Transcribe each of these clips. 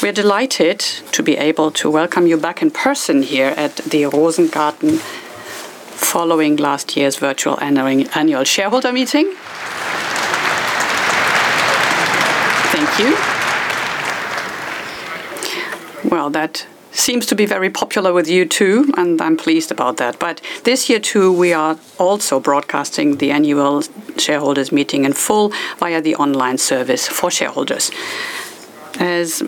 We're delighted to be able to welcome you back in person here at the Rosengarten following last Annual Shareholder Meeting. Thank you. Well, that seems to be very popular with you, too, and I'm pleased about that. This year too, we are also broadcasting the Annual Shareholders' Meeting in full via the online service for shareholders. As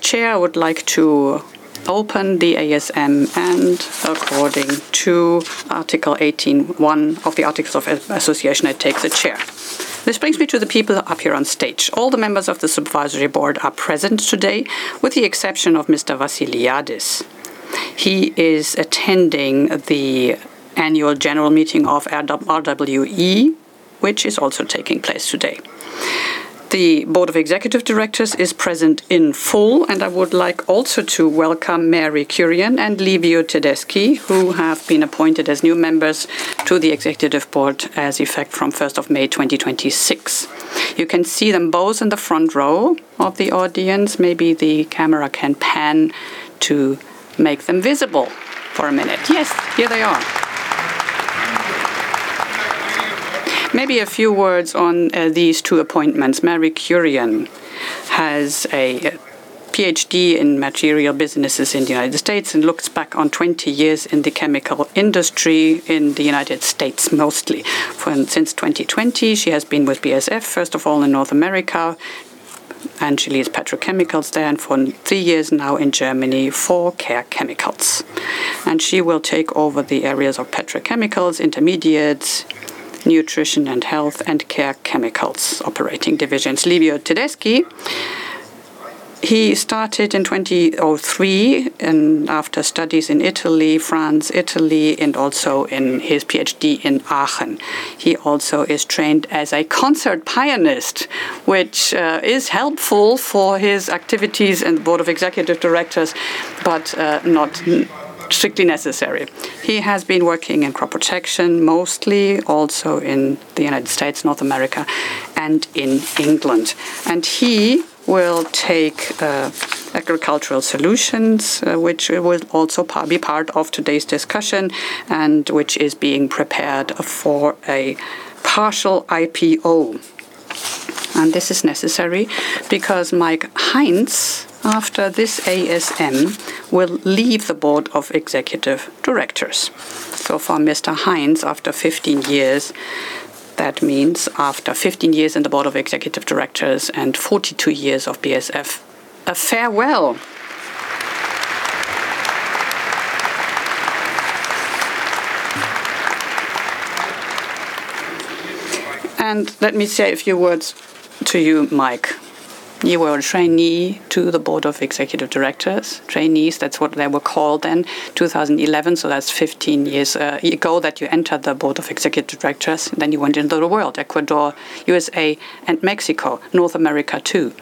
Chair, I would like to open the ASM and according to Article 18, 1 of the Articles of Association, I take the Chair. This brings me to the people up here on stage. All the members of the Supervisory Board are present today, with the exception of Mr. Vassiliadis. He is attending the Annual General Meeting of [RWE], which is also taking place today. The Board of Executive Directors is present in full, and I would like also to welcome Mary Kurian and Livio Tedeschi, who have been appointed as new members to the Executive Board as effect from 1st of May, 2026. You can see them both in the front row of the audience. Maybe the camera can pan to make them visible for a minute. Yes, here they are. Maybe a few words on these two appointments. Mary Kurian has a PhD in Material Businesses in the United States and looks back on 20 years in the chemical industry in the United States mostly. Since 2020, she has been with BASF, first of all in North America, and she leads petrochemicals there, and for three years now in Germany for care chemicals. She will take over the areas of Petrochemicals, Intermediates, Nutrition & Health, and Care Chemicals operating divisions. Livio Tedeschi, he started in 2003, after studies in Italy, France, Italy, and also in his PhD in Aachen. He also is trained as a concert pianist, which is helpful for his activities in the Board of Executive Directors, but not strictly necessary. He has been working in crop protection mostly, also in the U.S., North America, and in England. He will take Agricultural Solutions, which will also be part of today's discussion and which is being prepared for a partial IPO. This is necessary because Mike Heinz, after this ASM, will leave the Board of Executive Directors. For Mr. Heinz after 15 years, that means after 15 years in the Board of Executive Directors and 42 years of BASF, a farewell. Let me say a few words to you, Mike. You were a Trainee to the Board of Executive Directors. Trainees, that's what they were called in 2011, so that's 15 years ago that you entered the Board of Executive Directors. You went into the world, Ecuador, U.S.A., and Mexico, North America too.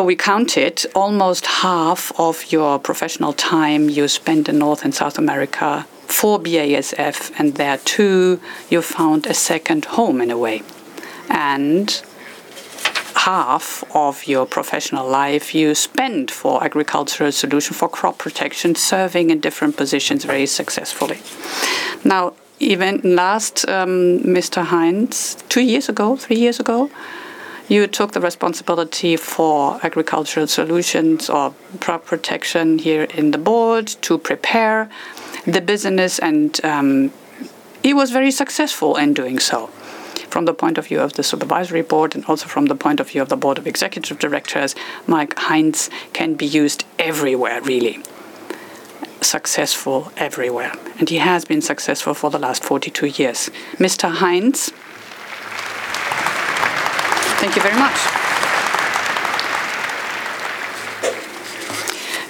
We counted almost half of your professional time you spent in North and South America for BASF, and there too, you found a second home in a way. Half of your professional life you spent for Agricultural Solutions for crop protection, serving in different positions very successfully. Even last, Mr. Heinz, two years ago, three years ago, you took the responsibility for Agricultural Solutions or crop protection here in the Board to prepare the business, it was very successful in doing so. From the point of view of the Supervisory Board and also from the point of view of the Board of Executive Directors, Mike Heinz can be used everywhere, really. Successful everywhere. He has been successful for the last 42 years. Mr. Heinz. Thank you very much.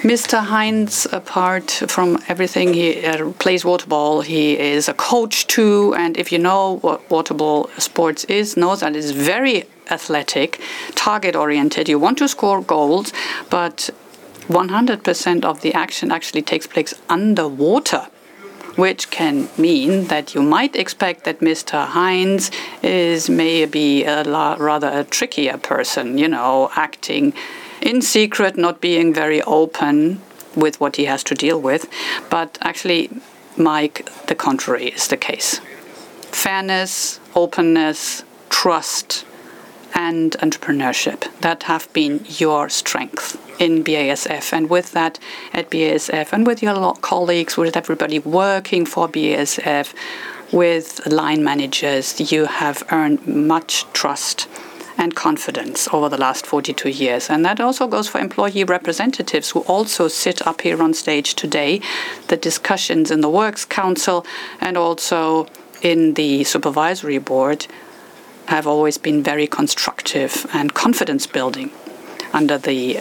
Mr. Heinz, apart from everything, he plays water polo. He is a coach, too, and if you know what water polo sports is, know that it is very athletic, target-oriented. You want to score goals, but 100% of the action actually takes place underwater, which can mean that you might expect that Mr. Heinz is maybe rather a trickier person, you know, acting in secret, not being very open with what he has to deal with. Actually, Mike, the contrary is the case. Fairness, openness, trust, and entrepreneurship, that have been your strength in BASF. With that, at BASF and with your colleagues, with everybody working for BASF, with line managers, you have earned much trust and confidence over the last 42 years. That also goes for employee representatives who also sit up here on stage today. The discussions in the works council and also in the Supervisory Board have always been very constructive and confidence-building under the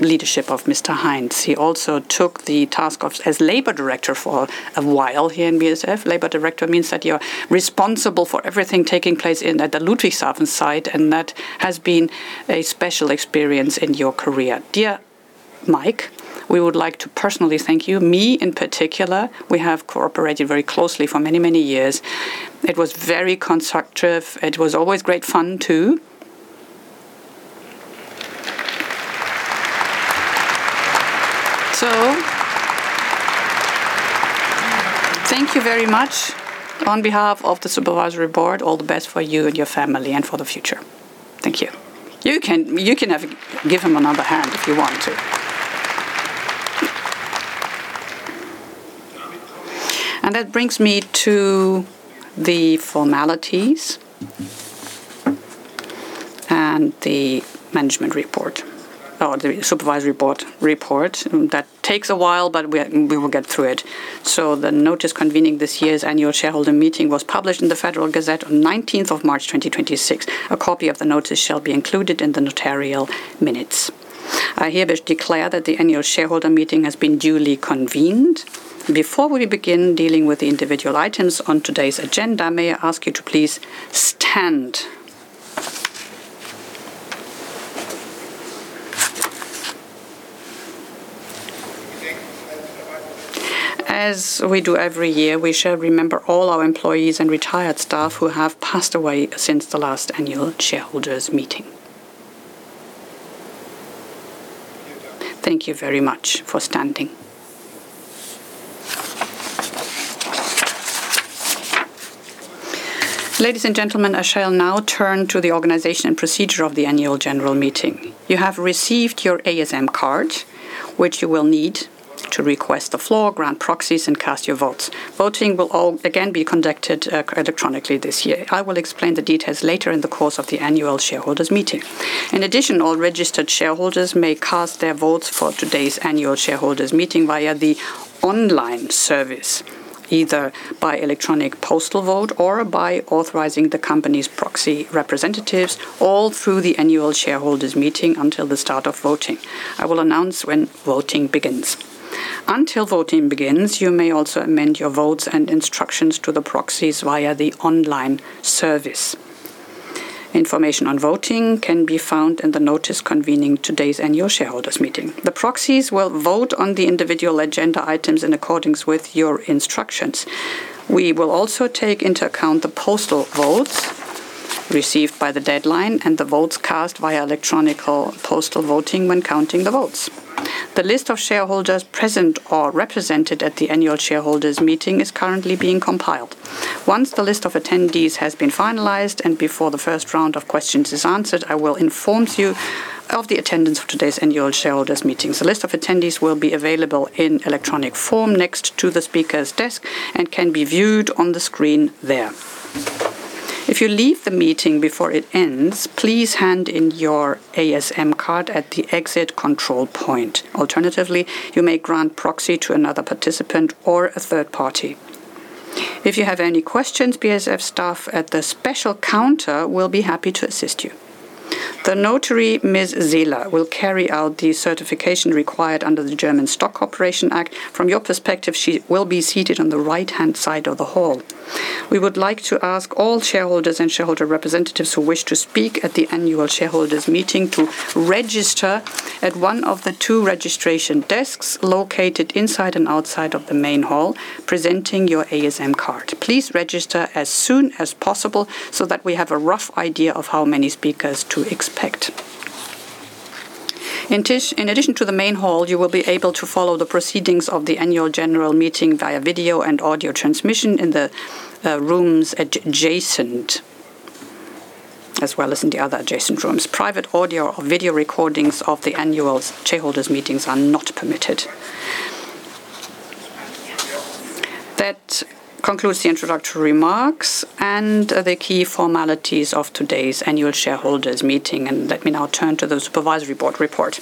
leadership of Mr. Heinz. He also took the task of as Labor Director for a while here in BASF. Labor director means that you're responsible for everything taking place in the Ludwigshafen site, and that has been a special experience in your career. Dear Mike, we would like to personally thank you. Me in particular, we have cooperated very closely for many, many years. It was very constructive. It was always great fun too. Thank you very much. On behalf of the Supervisory Board, all the best for you and your family and for the future. Thank you. You can give him another hand if you want to. That brings me to the formalities and the management report or the Supervisory Board report. That takes a while, but we will get through it. The notice convening Annual Shareholder Meeting was published in the Federal Gazette on 19th of March 2026. A copy of the notice shall be included in the notarial minutes. I hereby declare Annual Shareholder Meeting has been duly convened. Before we begin dealing with the individual items on today's agenda, may I ask you to please stand. As we do every year, we shall remember all our employees and retired staff who have passed away since the last Annual Shareholders' Meeting. Thank you very much for standing. Ladies and gentlemen, I shall now turn to the organization and procedure of the Annual General Meeting. You have received your ASM card, which you will need to request the floor, grant proxies, and cast your votes. Voting will all again be conducted electronically this year. I will explain the details later in the course of the Annual Shareholders' Meeting. All registered shareholders may cast their votes for today's Annual Shareholders' Meeting via the online service, either by electronic postal vote or by authorizing the company's proxy representatives all through the Annual Shareholders' Meeting until the start of voting. I will announce when voting begins. Until voting begins, you may also amend your votes and instructions to the proxies via the online service. Information on voting can be found in the notice convening today's Annual Shareholders' Meeting. The proxies will vote on the individual agenda items in accordance with your instructions. We will also take into account the postal votes received by the deadline and the votes cast via electronic or postal voting when counting the votes. The list of shareholders present or represented at the Annual Shareholders' Meeting is currently being compiled. Once the list of attendees has been finalized and before the first round of questions is answered, I will inform you of the attendance of today's Annual Shareholders' Meeting. The list of attendees will be available in electronic form next to the speaker's desk and can be viewed on the screen there. If you leave the meeting before it ends, please hand in your ASM card at the exit control point. Alternatively, you may grant proxy to another participant or a third-party. If you have any questions, BASF staff at the special counter will be happy to assist you. The notary, Ms. [Zila], will carry out the certification required under the German Stock Corporation Act. From your perspective, she will be seated on the right-hand side of the hall. We would like to ask all shareholders and shareholder representatives who wish to speak at the Annual Shareholders' Meeting to register at one of the two registration desks located inside and outside of the main hall presenting your ASM card. Please register as soon as possible so that we have a rough idea of how many speakers to expect. In addition to the main hall, you will be able to follow the proceedings of the Annual General Meeting via video and audio transmission in the rooms adjacent, as well as in the other adjacent rooms. Private audio or video recordings of the Annual Shareholders' Meetings are not permitted. That concludes the introductory remarks and the key formalities of today's Annual Shareholders' Meeting, and let me now turn to the Supervisory Board report.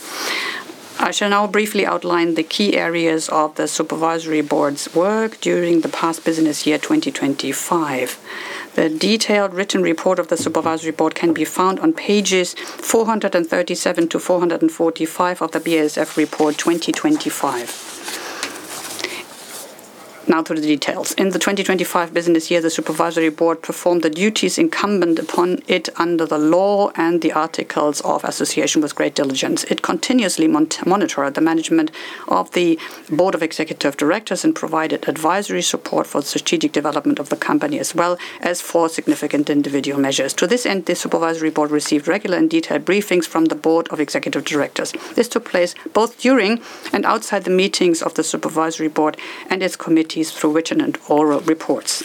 I shall now briefly outline the key areas of the Supervisory Board's work during the past business year 2025. The detailed written report of the Supervisory Board can be found on pages 437 to 445 of the BASF report 2025. Now to the details. In the 2025 business year, the Supervisory Board performed the duties incumbent upon it under the law and the Articles of Association with great diligence. It continuously monitored the management of the Board of Executive Directors and provided advisory support for strategic development of the company, as well as for significant individual measures. To this end, the Supervisory Board received regular and detailed briefings from the Board of Executive Directors. This took place both during and outside the meetings of the Supervisory Board and its committees through written and oral reports.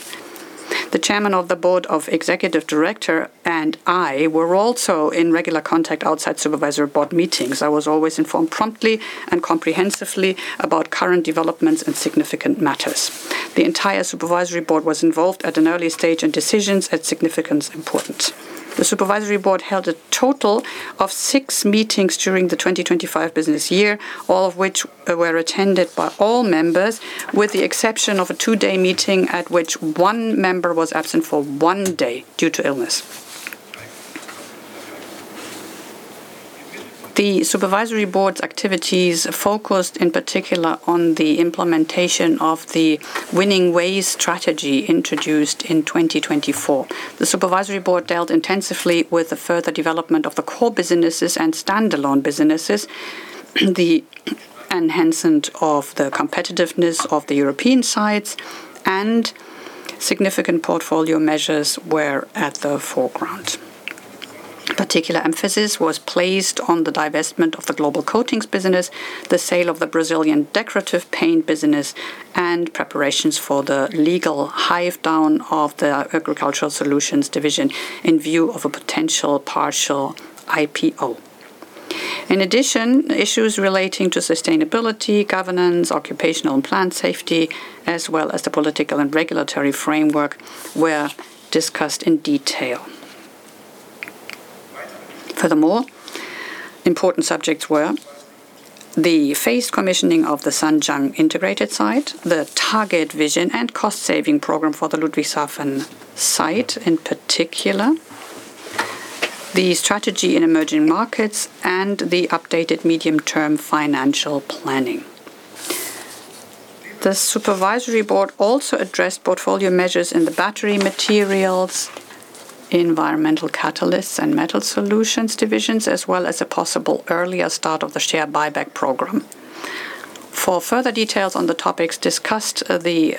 The Chairman of the Board of Executive Directors and I were also in regular contact outside Supervisory Board meetings. I was always informed promptly and comprehensively about current developments and significant matters. The entire Supervisory Board was involved at an early stage in decisions at significance importance. The Supervisory Board held a total of six meetings during the 2025 business year, all of which were attended by all members, with the exception of a two day meeting at which one member was absent for one day due to illness. The Supervisory Board's activities focused in particular on the implementation of the Winning Ways strategy introduced in 2024. The Supervisory Board dealt intensively with the further development of the core businesses and standalone businesses. The enhancement of the competitiveness of the European sites and significant portfolio measures were at the foreground. Particular emphasis was placed on the divestment of the Coatings business, the sale of the Brazilian Decorative Paint business, and preparations for the legal hive-down of the Agricultural Solutions division in view of a potential partial IPO. In addition, issues relating to sustainability, governance, occupational and plant safety, as well as the political and regulatory framework were discussed in detail. Furthermore, important subjects were the phase commissioning of the Zhanjiang integrated site, the target vision and cost-saving program for the Ludwigshafen site, in particular, the strategy in emerging markets, and the updated medium-term financial planning. The Supervisory Board also addressed portfolio measures in the Battery Materials, Environmental Catalysts, and Metal Solutions divisions, as well as a possible earlier start of the share buyback program. For further details on the topics discussed at the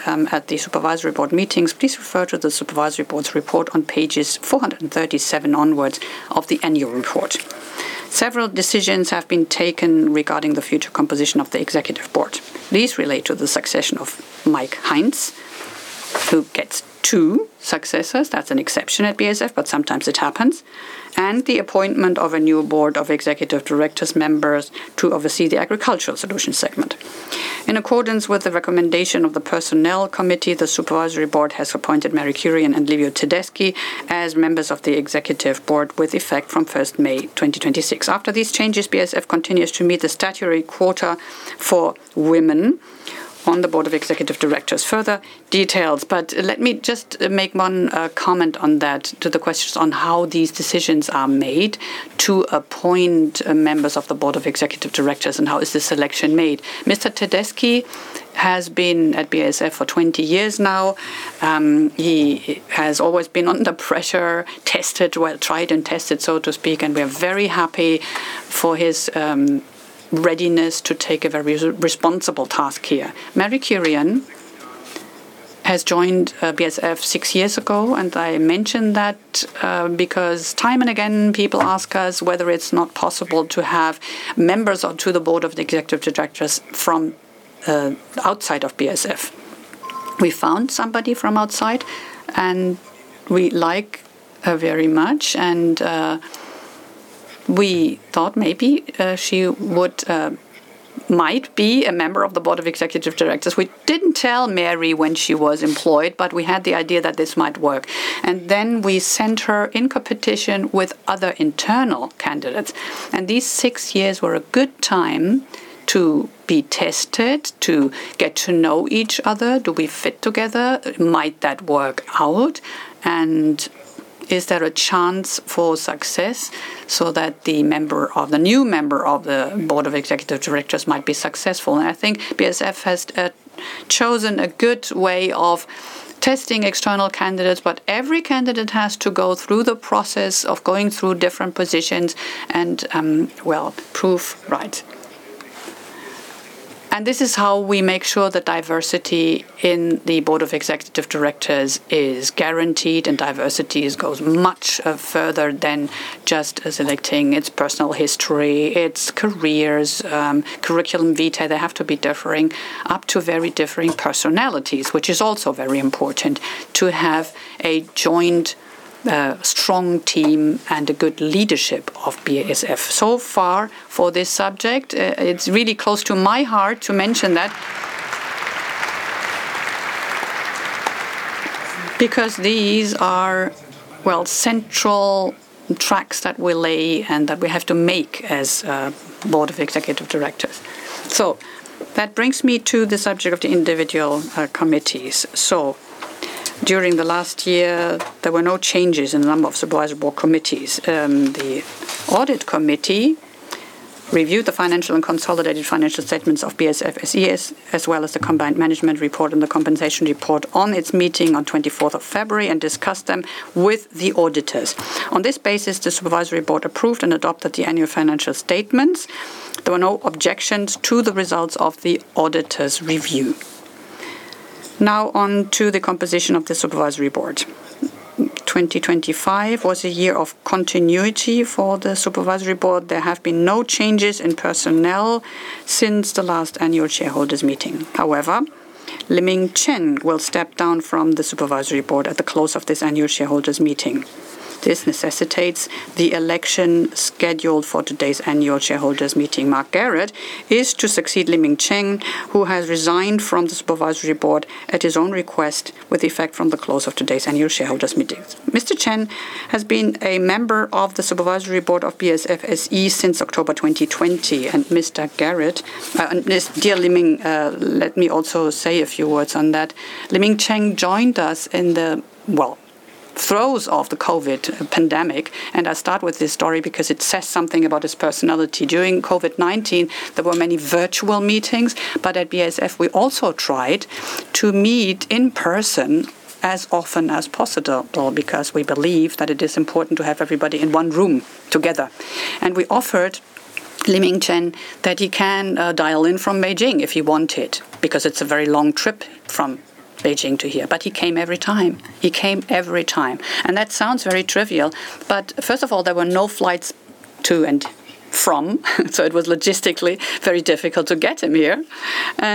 Supervisory Board meetings, please refer to the Supervisory Board's Report on pages 437 onwards of the annual report. Several decisions have been taken regarding the future composition of the Executive Board. These relate to the succession of Mike Heinz, who gets two successors. That's an exception at BASF, sometimes it happens. The appointment of new Board of Executive Directors members to oversee the Agricultural Solutions segment. In accordance with the recommendation of the Personnel Committee, the Supervisory Board has appointed Mary Kurian and Livio Tedeschi as members of the Board of Executive Directors with effect from 1st May, 2026. After these changes, BASF continues to meet the statutory quota for women on the Board of Executive Directors. Further details, but let me just make one comment on that to the questions on how these decisions are made to appoint members of the Board of Executive Directors and how is the selection made. Mr. Tedeschi has been at BASF for 20 years now. He has always been under pressure, tested well, tried and tested, so to speak, and we are very happy for his readiness to take a very responsible task here. Mary Kurian has joined BASF six years ago, and I mention that because time and again, people ask us whether it's not possible to have members onto the Board of Executive Directors from outside of BASF. We found somebody from outside, and we like her very much. We thought maybe she might be a member of the Board of Executive Directors. We didn't tell Mary when she was employed, but we had the idea that this might work. Then we sent her in competition with other internal candidates. These six years were a good time to be tested, to get to know each other. Do we fit together? Might that work out? Is there a chance for success so that the member or the new member of the Board of Executive Directors might be successful? I think BASF has chosen a good way of testing external candidates, but every candidate has to go through the process of going through different positions and, well, prove right. This is how we make sure that diversity in the Board of Executive Directors is guaranteed, and diversity is, goes much further than just selecting its personal history, its careers, curriculum vitae. They have to be differing up to very differing personalities, which is also very important to have a joint, strong team and a good leadership of BASF. So far for this subject, it's really close to my heart to mention that because these are, well, central tracks that we lay and that we have to make as a Board of Executive Directors. That brings me to the subject of the individual committees. During the last year, there were no changes in the number of Supervisory Board committees. The Audit Committee reviewed the financial and Consolidated Financial Statements of BASF SE as well as the combined management report and the Compensation Report on its meeting on February 24 and discussed them with the auditors. On this basis, the Supervisory Board approved and adopted the Annual Financial Statements. There were no objections to the results of the auditors' review. Now on to the composition of the Supervisory Board. 2025 was a year of continuity for the Supervisory Board. There have been no changes in personnel since the last Annual Shareholders' Meeting. However, Liming Chen will step down from the Supervisory Board at the close of this Annual Shareholders' Meeting. This necessitates the election scheduled for today's Annual Shareholders' Meeting. Mark Garrett is to succeed Liming Chen, who has resigned from the Supervisory Board at his own request, with effect from the close of today's Annual Shareholders' Meeting. Mr. Chen has been a member of the Supervisory Board of BASF SE since October 2020, and Mr. Garrett, Dear Liming, let me also say a few words on that. Liming Chen joined us in the, well, throes of the COVID pandemic, and I start with this story because it says something about his personality. During COVID-19, there were many virtual meetings, but at BASF, we also tried to meet in person as often as possible because we believe that it is important to have everybody in one room together. We offered Liming Chen that he can dial in from Beijing if he wanted, because it's a very long trip from Beijing to here. He came every time. He came every time. That sounds very trivial, but first of all, there were no flights to and from, so it was logistically very difficult to get him here.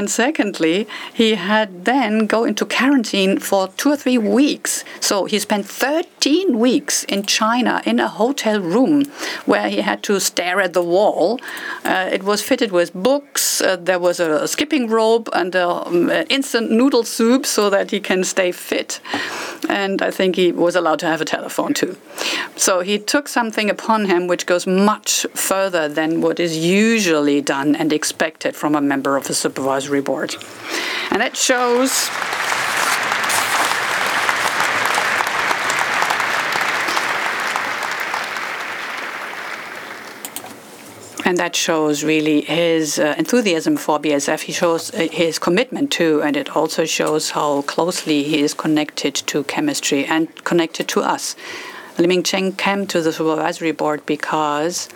Secondly, he had then go into quarantine for two or three weeks. He spent 13 weeks in China in a hotel room where he had to stare at the wall. It was fitted with books. There was a skipping rope and instant noodle soup so that he can stay fit. I think he was allowed to have a telephone, too. He took something upon him which goes much further than what is usually done and expected from a member of the Supervisory Board. That shows really his enthusiasm for BASF. He shows his commitment, too, and it also shows how closely he is connected to chemistry and connected to us. Liming Chen came to the Supervisory Board because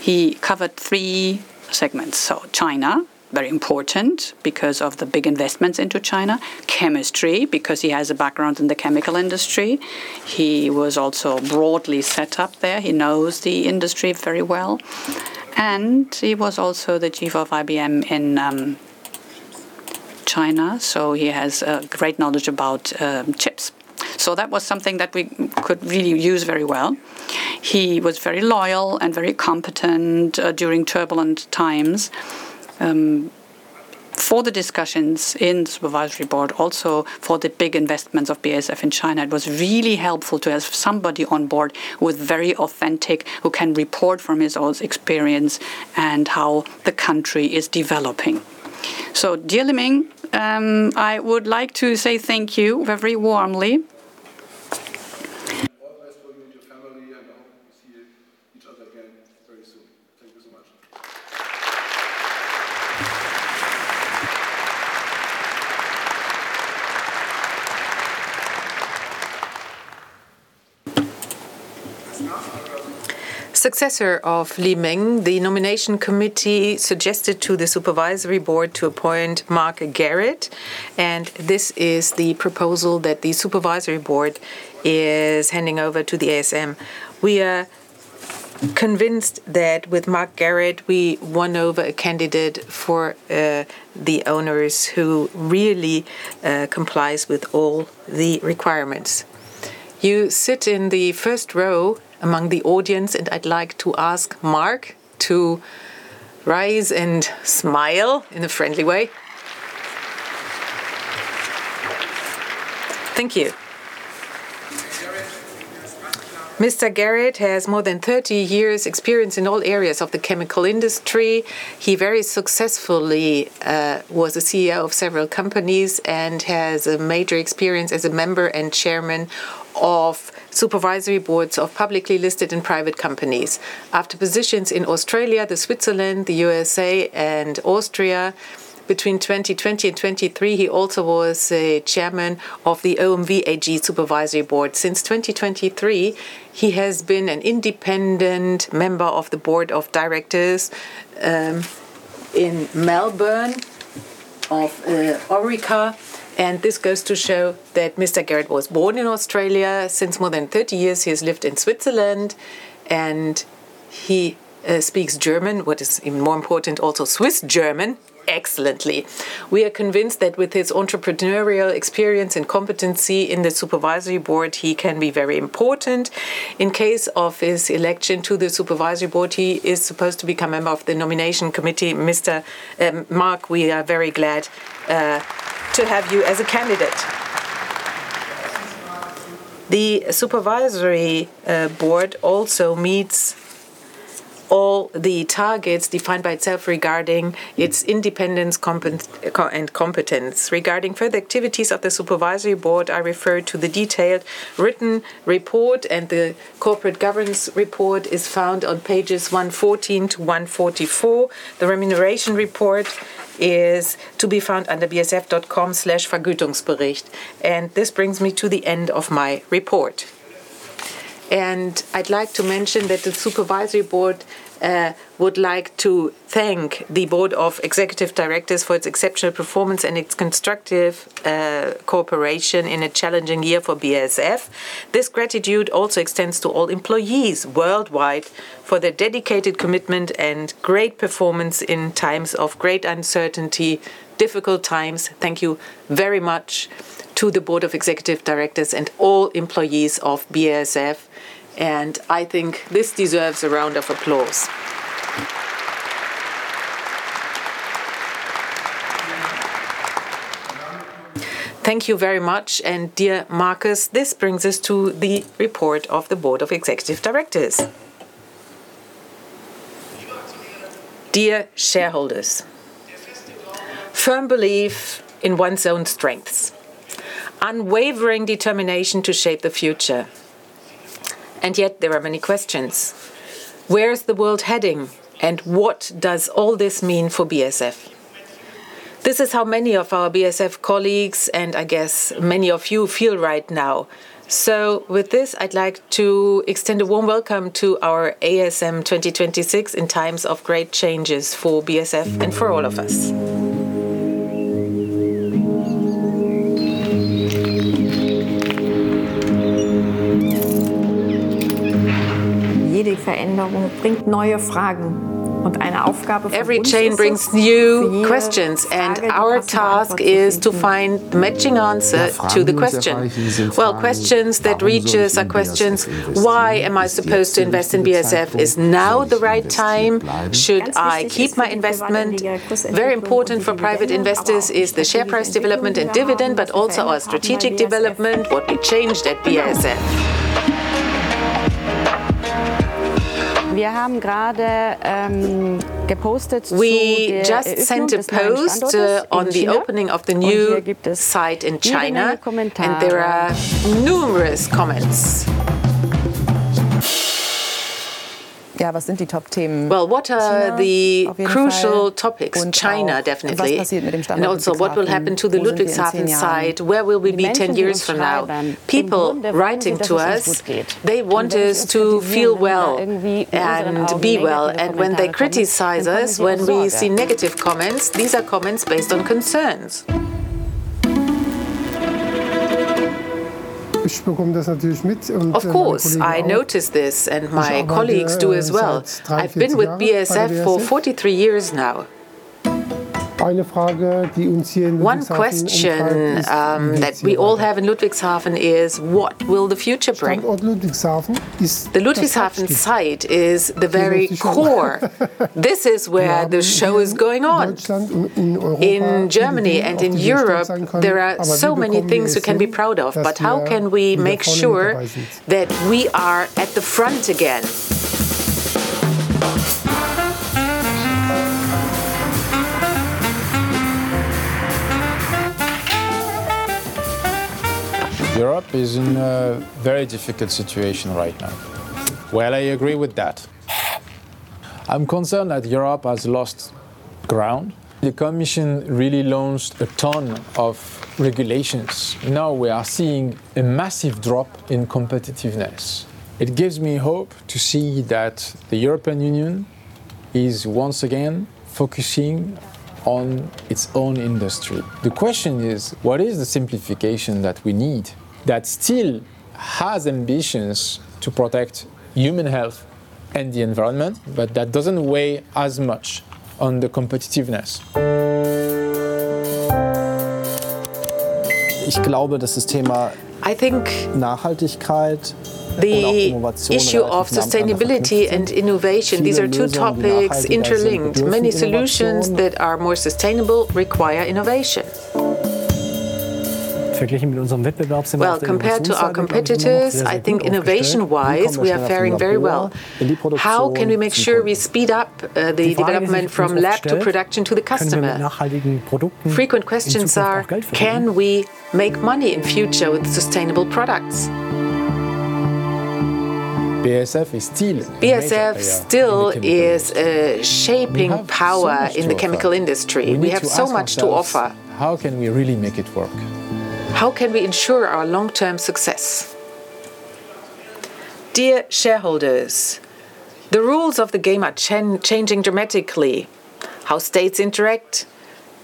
he covered three segments. China, very important because of the big investments into China. Chemistry, because he has a background in the chemical industry. He was also broadly set up there. He knows the industry very well. He was also the Chief of IBM in China, so he has a great knowledge about chips. That was something that we could really use very well. He was very loyal and very competent during turbulent times. For the discussions in Supervisory Board, also for the big investments of BASF in China, it was really helpful to have somebody on board who was very authentic, who can report from his own experience and how the country is developing. Dear Liming, I would like to say thank you very warmly. All the best for you and your family, and I hope we see each other again very soon. Thank you so much. Successor of Liming, the nomination committee suggested to the Supervisory Board to appoint Mark Garrett, and this is the proposal that the Supervisory Board is handing over to the ASM. We are convinced that with Mark Garrett we won over a candidate for the owners who really complies with all the requirements. You sit in the first row among the audience, and I'd like to ask Mark to rise and smile in a friendly way. Thank you. Mr. Garrett has more than 30 years' experience in all areas of the chemical industry. He very successfully was a CEO of several companies and has a major experience as a Member and Chairman of Supervisory Boards of publicly listed and private companies. After positions in Australia, Switzerland, the U.S.A., and Austria, between 2020 and 2023 he also was a Chairman of the OMV AG Supervisory Board. Since 2023, he has been an Independent Member of the Board of Directors in Melbourne of Orica, and this goes to show that Mr. Garrett was born in Australia. Since more than 30 years, he has lived in Switzerland and he speaks German, what is even more important, also Swiss German, excellently. We are convinced that with his entrepreneurial experience and competency in the Supervisory Board, he can be very important. In case of his election to the Supervisory Board, he is supposed to become a member of the Nomination Committee. Mr. Mark, we are very glad to have you as a candidate. The Supervisory Board also meets all the targets defined by itself regarding its independence and competence. Regarding further activities of the Supervisory Board, I refer to the detailed written report. The corporate governance report is found on pages 114 to 144. The remuneration report is to be found under basf.com/vergütungsbericht. This brings me to the end of my report. I'd like to mention that the Supervisory Board would like to thank the Board of Executive Directors for its exceptional performance and its constructive cooperation in a challenging year for BASF. This gratitude also extends to all employees worldwide for their dedicated commitment and great performance in times of great uncertainty, difficult times. Thank you very much to the Board of Executive Directors and all employees of BASF. I think this deserves a round of applause. Thank you very much. Dear Markus, this brings us to the report of the Board of Executive Directors. Dear shareholders, firm belief in one's own strengths, unwavering determination to shape the future. Yet there are many questions. Where is the world heading? What does all this mean for BASF? This is how many of our BASF colleagues, and I guess many of you feel right now. With this, I'd like to extend a warm welcome to our ASM 2026 in times of great changes for BASF and for all of us. Every change brings new questions, and our task is to find matching answer to the question. Well, questions that reaches are questions, why am I supposed to invest in BASF? Is now the right time? Should I keep my investment? Very important for private investors is the share price development and dividend, but also our strategic development, what we changed at BASF. We just sent a post on the opening of the new site in China, and there are numerous comments. Well, what are the crucial topics? China, definitely. Also, what will happen to the Ludwigshafen site? Where will we be 10 years from now? People writing to us, they want us to feel well and be well. When they criticize us, when we see negative comments, these are comments based on concerns. Of course, I notice this, and my colleagues do as well. I've been with BASF for 43 years now. One question that we all have in Ludwigshafen is, what will the future bring? The Ludwigshafen site is the very core. This is where the show is going on. In Germany and in Europe, there are so many things we can be proud of, but how can we make sure that we are at the front again? Europe is in a very difficult situation right now. Well, I agree with that. I'm concerned that Europe has lost ground. The Commission really launched a ton of regulations. Now we are seeing a massive drop in competitiveness. It gives me hope to see that the European Union is once again focusing on its own industry. The question is, what is the simplification that we need that still has ambitions to protect human health and the environment, but that doesn't weigh as much on the competitiveness? I think the issue of sustainability and innovation, these are two topics interlinked. Many solutions that are more sustainable require innovation. Well, compared to our competitors, I think innovation-wise, we are faring very well. How can we make sure we speed up the development from lab to production to the customer? Frequent questions are, can we make money in future with sustainable products? BASF is still a major player. BASF still is a shaping power in the chemical industry. We have so much to offer. How can we really make it work? How can we ensure our long-term success? Dear shareholders, the rules of the game are changing dramatically. How states interact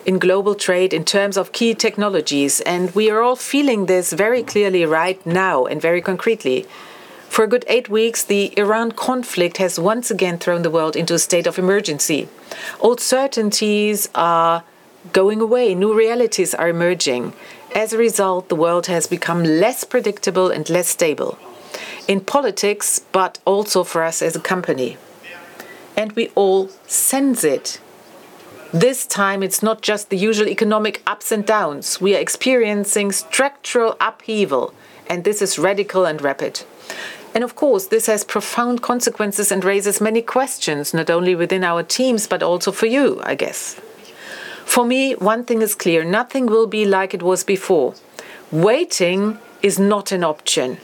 in global trade in terms of key technologies, we are all feeling this very clearly right now and very concretely. For a good eight weeks, the Iran conflict has once again thrown the world into a state of emergency. Old certainties are going away. New realities are emerging. As a result, the world has become less predictable and less stable in politics, but also for us as a company, and we all sense it. This time it's not just the usual economic ups and downs. We are experiencing structural upheaval, and this is radical and rapid. Of course, this has profound consequences and raises many questions, not only within our teams, but also for you, I guess. For me, one thing is clear, nothing will be like it was before. Waiting is not an option.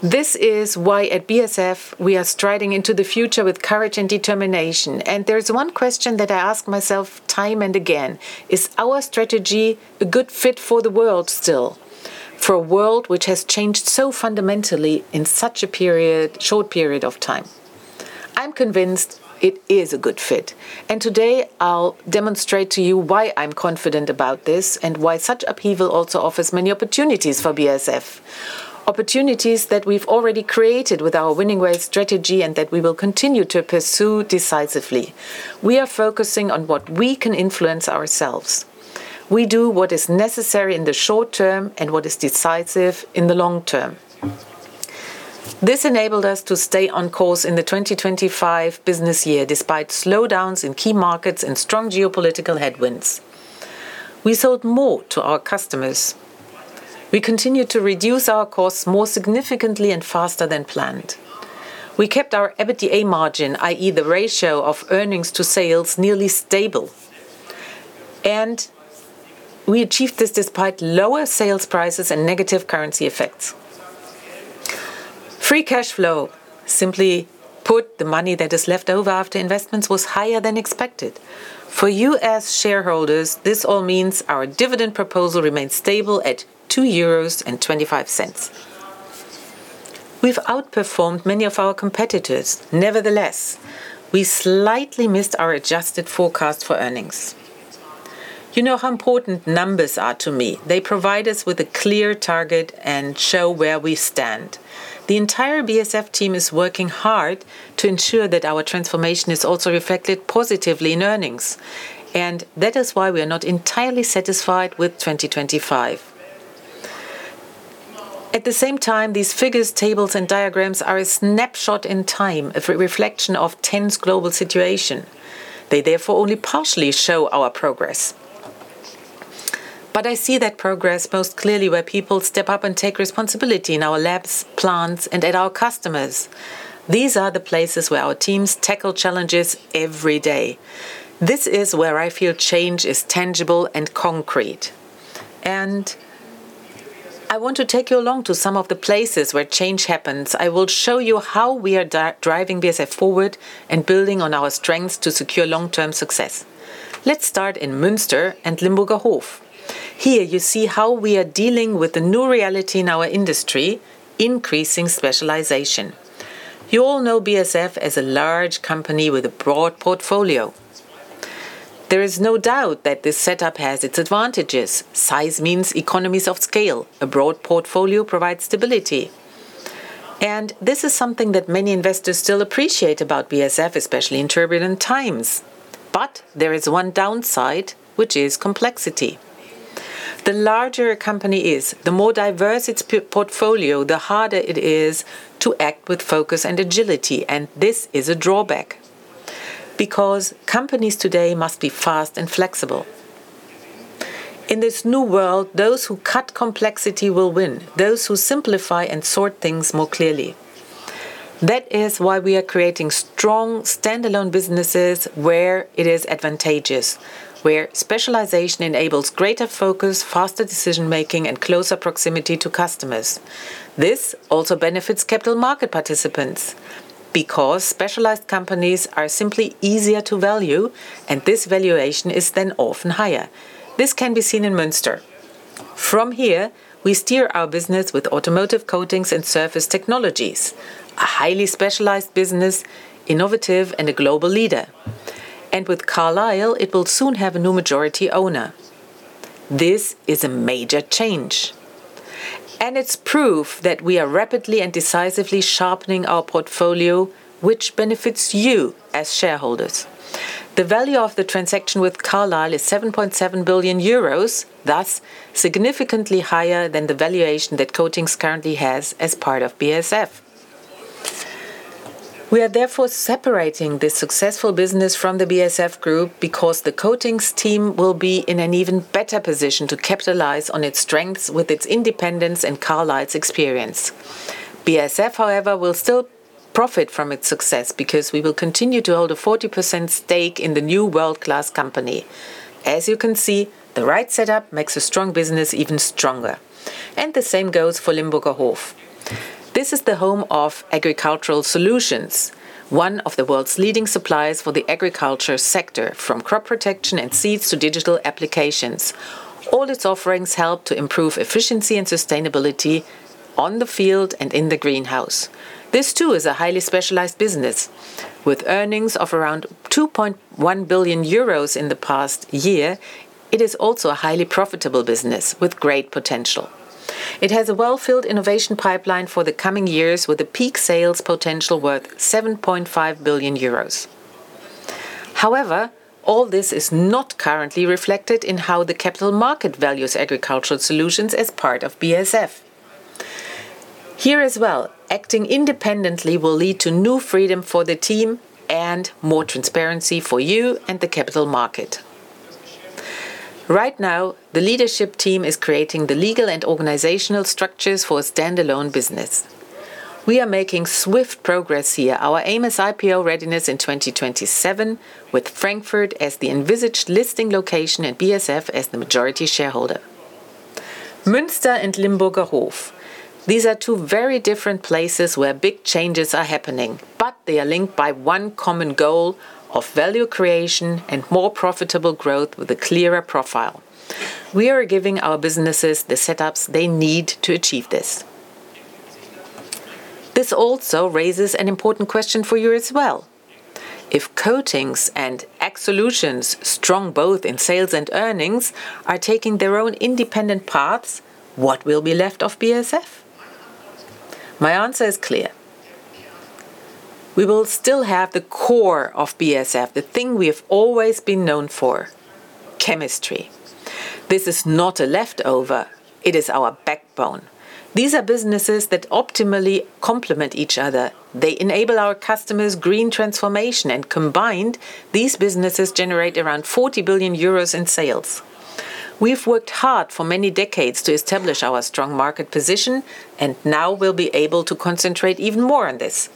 This is why at BASF we are striding into the future with courage and determination. There is one question that I ask myself time and again, is our strategy a good fit for the world still? For a world which has changed so fundamentally in such a period, short period of time. I'm convinced it is a good fit, and today I'll demonstrate to you why I'm confident about this and why such upheaval also offers many opportunities for BASF. Opportunities that we've already created with our Winning Ways strategy and that we will continue to pursue decisively. We are focusing on what we can influence ourselves. We do what is necessary in the short term and what is decisive in the long term. This enabled us to stay on course in the 2025 business year despite slowdowns in key markets and strong geopolitical headwinds. We sold more to our customers. We continued to reduce our costs more significantly and faster than planned. We kept our EBITDA margin, i.e., the ratio of earnings to sales, nearly stable, and we achieved this despite lower sales prices and negative currency effects. Free cash flow, simply put the money that is left over after investments, was higher than expected. For you as shareholders, this all means our dividend proposal remains stable at 2.25 euros. We've outperformed many of our competitors. Nevertheless, we slightly missed our adjusted forecast for earnings. You know how important numbers are to me. They provide us with a clear target and show where we stand. The entire BASF team is working hard to ensure that our transformation is also reflected positively in earnings. That is why we are not entirely satisfied with 2025. At the same time, these figures, tables and diagrams are a snapshot in time, a re-reflection of tense global situation. They therefore only partially show our progress. I see that progress most clearly where people step up and take responsibility in our labs, plants, and at our customers. These are the places where our teams tackle challenges every day. This is where I feel change is tangible and concrete. I want to take you along to some of the places where change happens. I will show you how we are driving BASF forward and building on our strengths to secure long-term success. Let's start in Münster and Limburgerhof. Here you see how we are dealing with the new reality in our industry, increasing specialization. You all know BASF as a large company with a broad portfolio. There is no doubt that this setup has its advantages. Size means economies of scale. A broad portfolio provides stability, and this is something that many investors still appreciate about BASF, especially in turbulent times. There is one downside, which is complexity. The larger a company is, the more diverse its portfolio, the harder it is to act with focus and agility, and this is a drawback. Companies today must be fast and flexible. In this new world, those who cut complexity will win, those who simplify and sort things more clearly. That is why we are creating strong standalone businesses where it is advantageous. Where specialization enables greater focus, faster decision-making, and closer proximity to customers. This also benefits capital market participants because specialized companies are simply easier to value, and this valuation is then often higher. This can be seen in Münster. From here, we steer our business with automotive coatings and surface technologies, a highly specialized business, innovative and a global leader. With Carlyle, it will soon have a new majority owner. This is a major change, and it's proof that we are rapidly and decisively sharpening our portfolio, which benefits you as shareholders. The value of the transaction with Carlyle is 7.7 billion euros, thus significantly higher than the valuation that Coatings currently has as part of BASF. We are therefore separating this successful business from the BASF Group because the Coatings team will be in an even better position to capitalize on its strengths with its independence and Carlyle's experience. BASF, however, will still profit from its success because we will continue to hold a 40% stake in the new world-class company. As you can see, the right setup makes a strong business even stronger, and the same goes for Limburgerhof. This is the home of Agricultural Solutions, one of the world's leading suppliers for the agriculture sector, from crop protection and seeds to digital applications. All its offerings help to improve efficiency and sustainability on the field and in the greenhouse. This too is a highly specialized business. With earnings of around 2.1 billion euros in the past year, it is also a highly profitable business with great potential. It has a well-filled innovation pipeline for the coming years with a peak sales potential worth 7.5 billion euros. However, all this is not currently reflected in how the capital market values Agricultural Solutions as part of BASF. Here as well, acting independently will lead to new freedom for the team and more transparency for you and the capital market. Right now, the leadership team is creating the legal and organizational structures for a standalone business. We are making swift progress here. Our aim is IPO readiness in 2027 with Frankfurt as the envisaged listing location and BASF as the majority shareholder. Münster and Limburgerhof. These are two very different places where big changes are happening, but they are linked by one common goal of value creation and more profitable growth with a clearer profile. We are giving our businesses the setups they need to achieve this. This also raises an important question for you as well. If Coatings and Ag Solutions, strong both in sales and earnings, are taking their own independent paths, what will be left of BASF? My answer is clear. We will still have the core of BASF, the thing we have always been known for, chemistry. This is not a leftover, it is our backbone. These are businesses that optimally complement each other. They enable our customers green transformation and combined, these businesses generate around 40 billion euros in sales. We have worked hard for many decades to establish our strong market position. Now we'll be able to concentrate even more on this.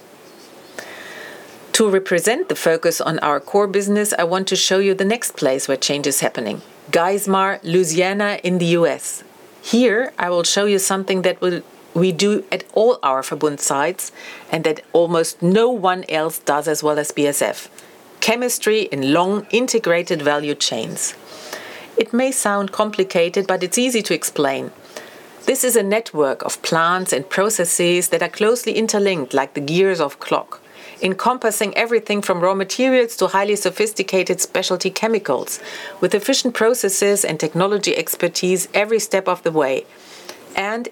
To represent the focus on our core business, I want to show you the next place where change is happening, Geismar, Louisiana in the U.S. Here, I will show you something we do at all our Verbund sites and that almost no one else does as well as BASF, chemistry in long, integrated value chains. It may sound complicated, but it's easy to explain. This is a network of plants and processes that are closely interlinked like the gears of clock, encompassing everything from raw materials to highly sophisticated specialty chemicals with efficient processes and technology expertise every step of the way.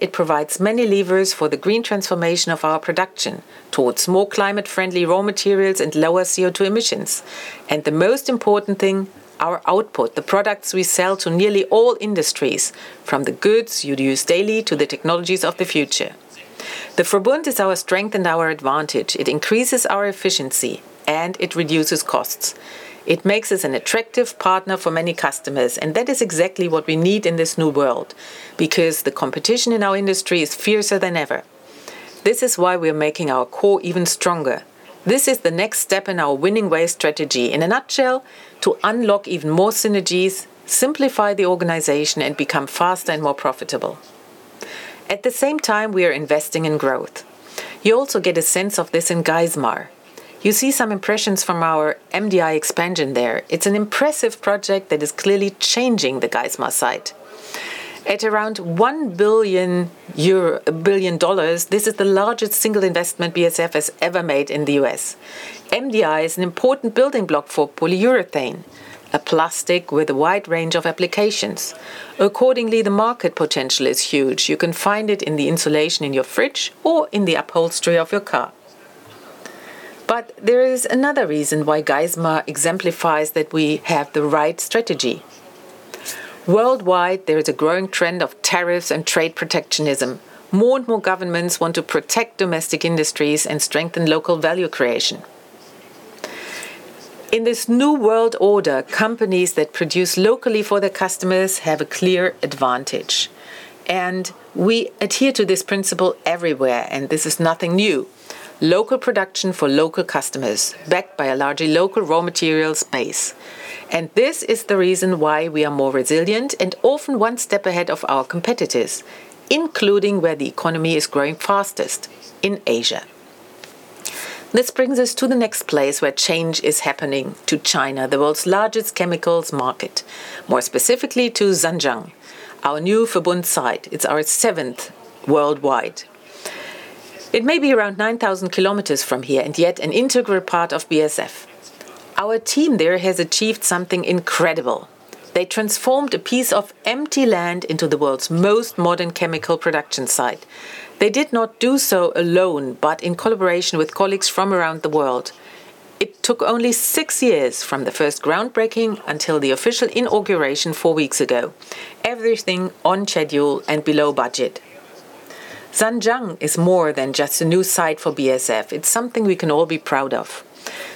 It provides many levers for the green transformation of our production towards more climate-friendly raw materials and lower CO2 emissions. The most important thing, our output, the products we sell to nearly all industries, from the goods you'd use daily to the technologies of the future. The Verbund is our strength and our advantage. It increases our efficiency, and it reduces costs. It makes us an attractive partner for many customers, that is exactly what we need in this new world because the competition in our industry is fiercer than ever. This is why we are making our core even stronger. This is the next step in our Winning Ways strategy. In a nutshell, to unlock even more synergies, simplify the organization, and become faster and more profitable. At the same time, we are investing in growth. You also get a sense of this in Geismar. You see some impressions from our MDI expansion there. It's an impressive project that is clearly changing the Geismar site. At around $1 billion, this is the largest single investment BASF has ever made in the U.S. MDI is an important building block for polyurethane, a plastic with a wide range of applications. Accordingly, the market potential is huge. You can find it in the insulation in your fridge or in the upholstery of your car. There is another reason why Geismar exemplifies that we have the right strategy. Worldwide, there is a growing trend of tariffs and trade protectionism. More and more governments want to protect domestic industries and strengthen local value creation. In this new world order, companies that produce locally for their customers have a clear advantage, and we adhere to this principle everywhere, and this is nothing new. Local production for local customers, backed by a largely local raw materials base. This is the reason why we are more resilient and often one step ahead of our competitors, including where the economy is growing fastest, in Asia. This brings us to the next place where change is happening, to China, the world's largest chemicals market. More specifically to Zhanjiang, our new Verbund site. It's our seventh worldwide. It may be around 9,000 km from here and yet an integral part of BASF. Our team there has achieved something incredible. They transformed a piece of empty land into the world's most modern chemical production site. They did not do so alone, but in collaboration with colleagues from around the world. It took only six years from the first groundbreaking until the official inauguration four weeks ago. Everything on schedule and below budget. Zhanjiang is more than just a new site for BASF. It's something we can all be proud of,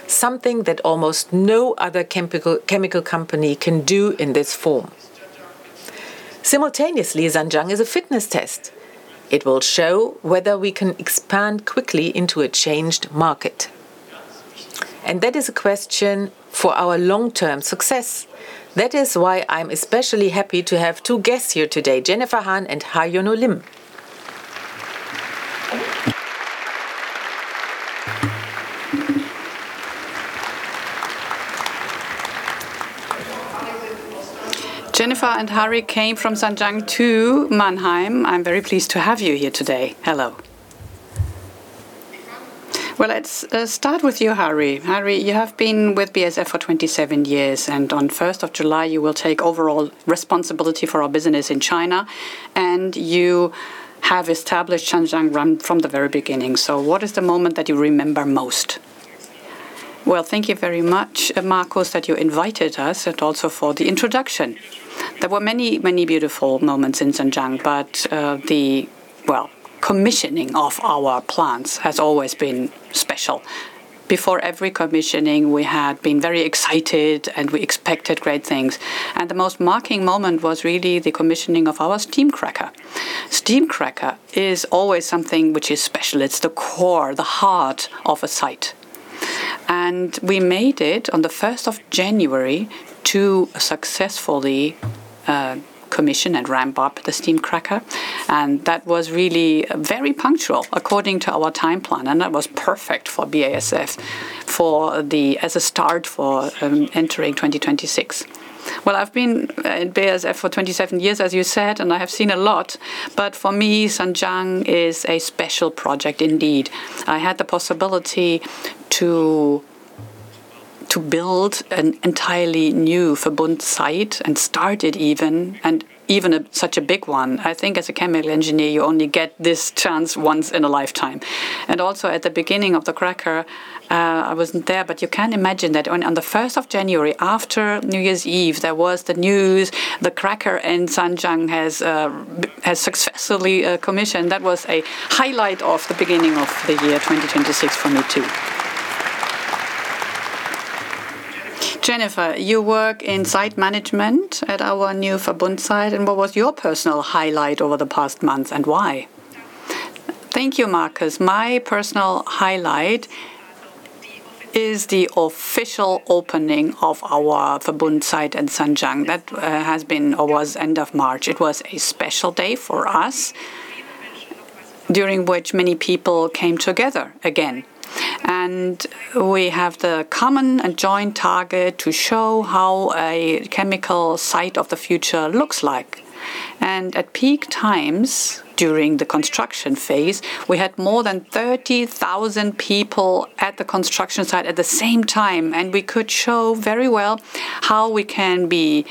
something that almost no other chemical company can do in this form. Simultaneously, Zhanjiang is a fitness test. It will show whether we can expand quickly into a changed market, and that is a question for our long-term success. That is why I'm especially happy to have two guests here today, Jennifer Han and [Haryono] Lim. Jennifer and Hary came from Zhanjiang to Mannheim. I'm very pleased to have you here today. Hello. Let's start with you, Hary. Hary, you have been with BASF for 27 years, and on 1st of July, you will take overall responsibility for our business in China, and you have established Zhanjiang from the very beginning. What is the moment that you remember most? Thank you very much, Markus, that you invited us and also for the introduction. There were many, many beautiful moments in Zhanjiang, but the commissioning of our plants has always been special. Before every commissioning, we had been very excited, and we expected great things. The most marking moment was really the commissioning of our steam cracker. Steam cracker is always something which is special. It's the core, the heart of a site. We made it on the 1st of January to successfully commission and ramp up the steam cracker, and that was really very punctual according to our time plan, and that was perfect for BASF as a start for entering 2026. I've been at BASF for 27 years, as you said, and I have seen a lot, but for me, Zhanjiang is a special project indeed. I had the possibility to build an entirely new Verbund site and start it even, and even a such a big one. I think as a chemical engineer, you only get this chance once in a lifetime. Also, at the beginning of the cracker, I wasn't there, but you can imagine that on the 1st of January, after New Year's Eve, there was the news the cracker in Zhanjiang has successfully commissioned. That was a highlight of the beginning of the year 2026 for me too. Jennifer, you work in site management at our new Verbund site. What was your personal highlight over the past months, and why? Thank you, Markus. My personal highlight is the official opening of our Verbund site in Zhanjiang. That has been or was end of March. It was a special day for us, during which many people came together again. We have the common and joint target to show how a chemical site of the future looks like. At peak times, during the construction phase, we had more than 30,000 people at the construction site at the same time, and we could show very well how we can be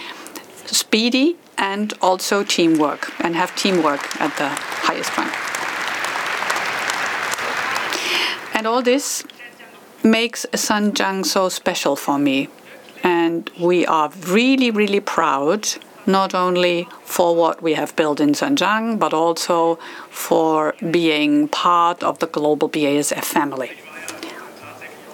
speedy and also teamwork—have teamwork at the highest point. All this makes Zhanjiang so special for me. We are really, really proud, not only for what we have built in Zhanjiang, but also for being part of the global BASF family.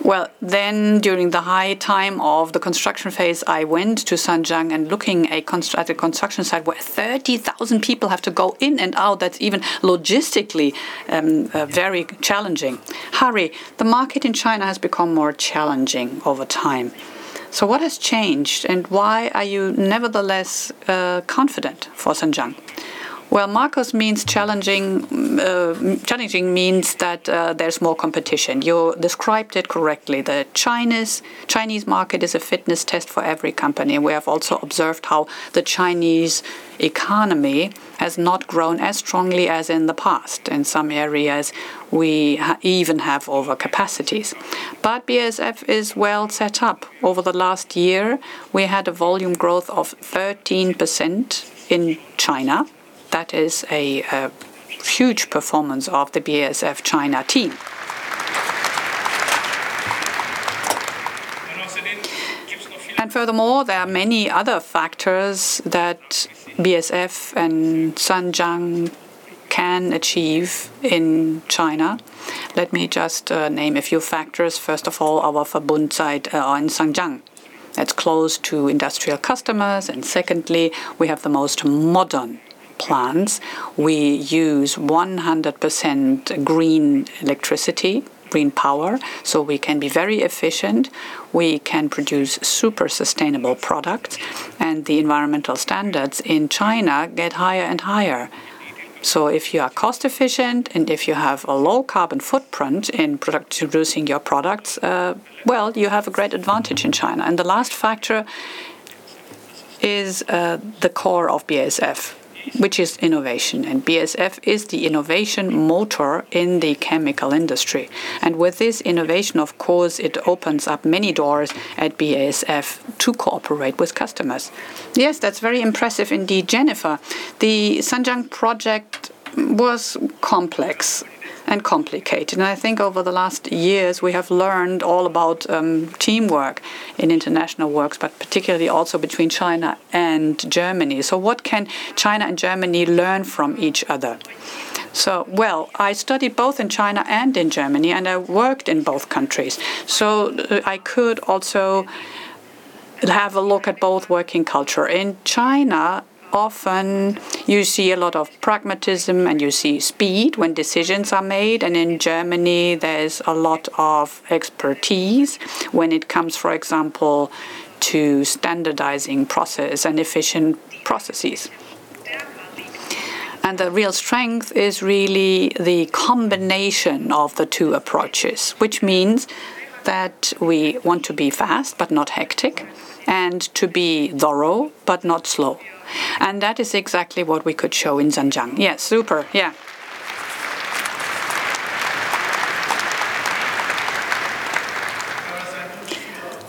During the high time of the construction phase, I went to Zhanjiang and looking at a construction site where 30,000 people have to go in and out, that's even logistically very challenging. Hary, the market in China has become more challenging over time. What has changed, and why are you nevertheless confident for Zhanjiang? Well, Markus means challenging means that there's more competition. You described it correctly. The Chinese market is a fitness test for every company. We have also observed how the Chinese economy has not grown as strongly as in the past. In some areas we even have overcapacities. BASF is well set up. Over the last year, we had a volume growth of 13% in China. That is a huge performance of the BASF China team. Furthermore, there are many other factors that BASF and Zhanjiang can achieve in China. Let me just name a few factors. First of all, our Verbund site in Zhanjiang. That's close to industrial customers. Secondly, we have the most modern plants. We use 100% green electricity, green power, so we can be very efficient. We can produce super sustainable product. The environmental standards in China get higher and higher. If you are cost efficient and if you have a low carbon footprint in producing your products, well, you have a great advantage in China. The last factor is the core of BASF, which is innovation. BASF is the innovation motor in the chemical industry. With this innovation, of course, it opens up many doors at BASF to cooperate with customers. Yes, that's very impressive indeed. Jennifer, the Zhanjiang project was complex and complicated. I think over the last years we have learned all about teamwork in international works, but particularly also between China and Germany. What can China and Germany learn from each other? Well, I studied both in China and in Germany, and I worked in both countries. I could also have a look at both working culture. In China, often you see a lot of pragmatism, and you see speed when decisions are made, and in Germany, there's a lot of expertise when it comes, for example, to standardizing process and efficient processes. The real strength is really the combination of the two approaches, which means that we want to be fast but not hectic and to be thorough but not slow. That is exactly what we could show in Zhanjiang. Yeah. Super. Yeah.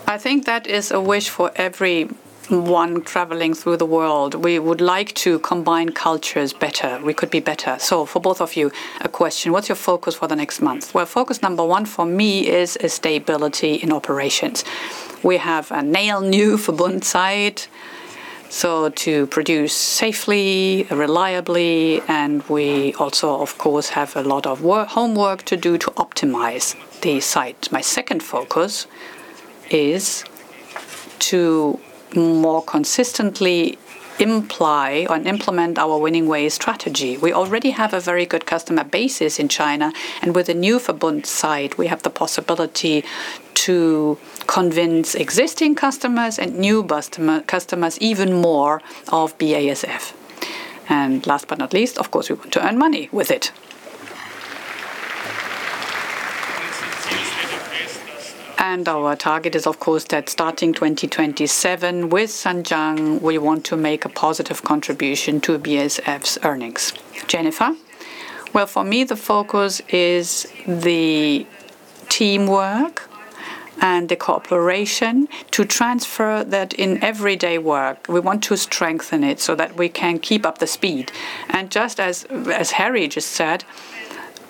I think that is a wish for every one traveling through the world. We would like to combine cultures better. We could be better. For both of you, a question: What's your focus for the next month? Focus number one for me is a stability in operations. We have a brand new Verbund site, so to produce safely, reliably, and we also, of course, have a lot of homework to do to optimize the site. My second focus is to more consistently imply or implement our Winning Ways strategy. We already have a very good customer basis in China, and with the new Verbund site, we have the possibility to convince existing customers and new customers even more of BASF. Last but not least, of course, we want to earn money with it. Our target is, of course, that starting 2027 with Zhanjiang, we want to make a positive contribution to BASF's earnings. Jennifer? Well for me, the focus is the teamwork and the cooperation to transfer that in everyday work. We want to strengthen it so that we can keep up the speed. Just as Hary just said,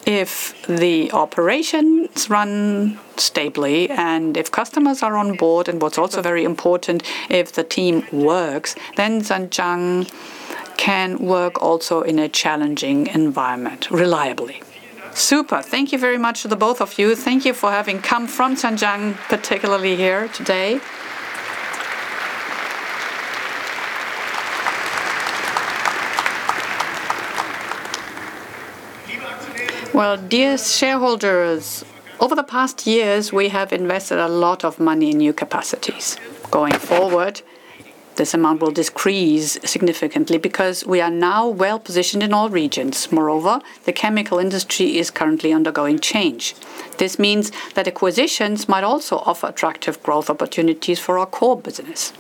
if the operations run stably and if customers are on board, and what's also very important, if the team works, then Zhanjiang can work also in a challenging environment reliably. Super. Thank you very much to the both of you. Thank you for having come from Zhanjiang, particularly here today. Dear shareholders, over the past years, we have invested a lot of money in new capacities. Going forward, this amount will decrease significantly because we are now well-positioned in all regions. Moreover, the chemical industry is currently undergoing change. This means that acquisitions might also offer attractive growth opportunities for our core business.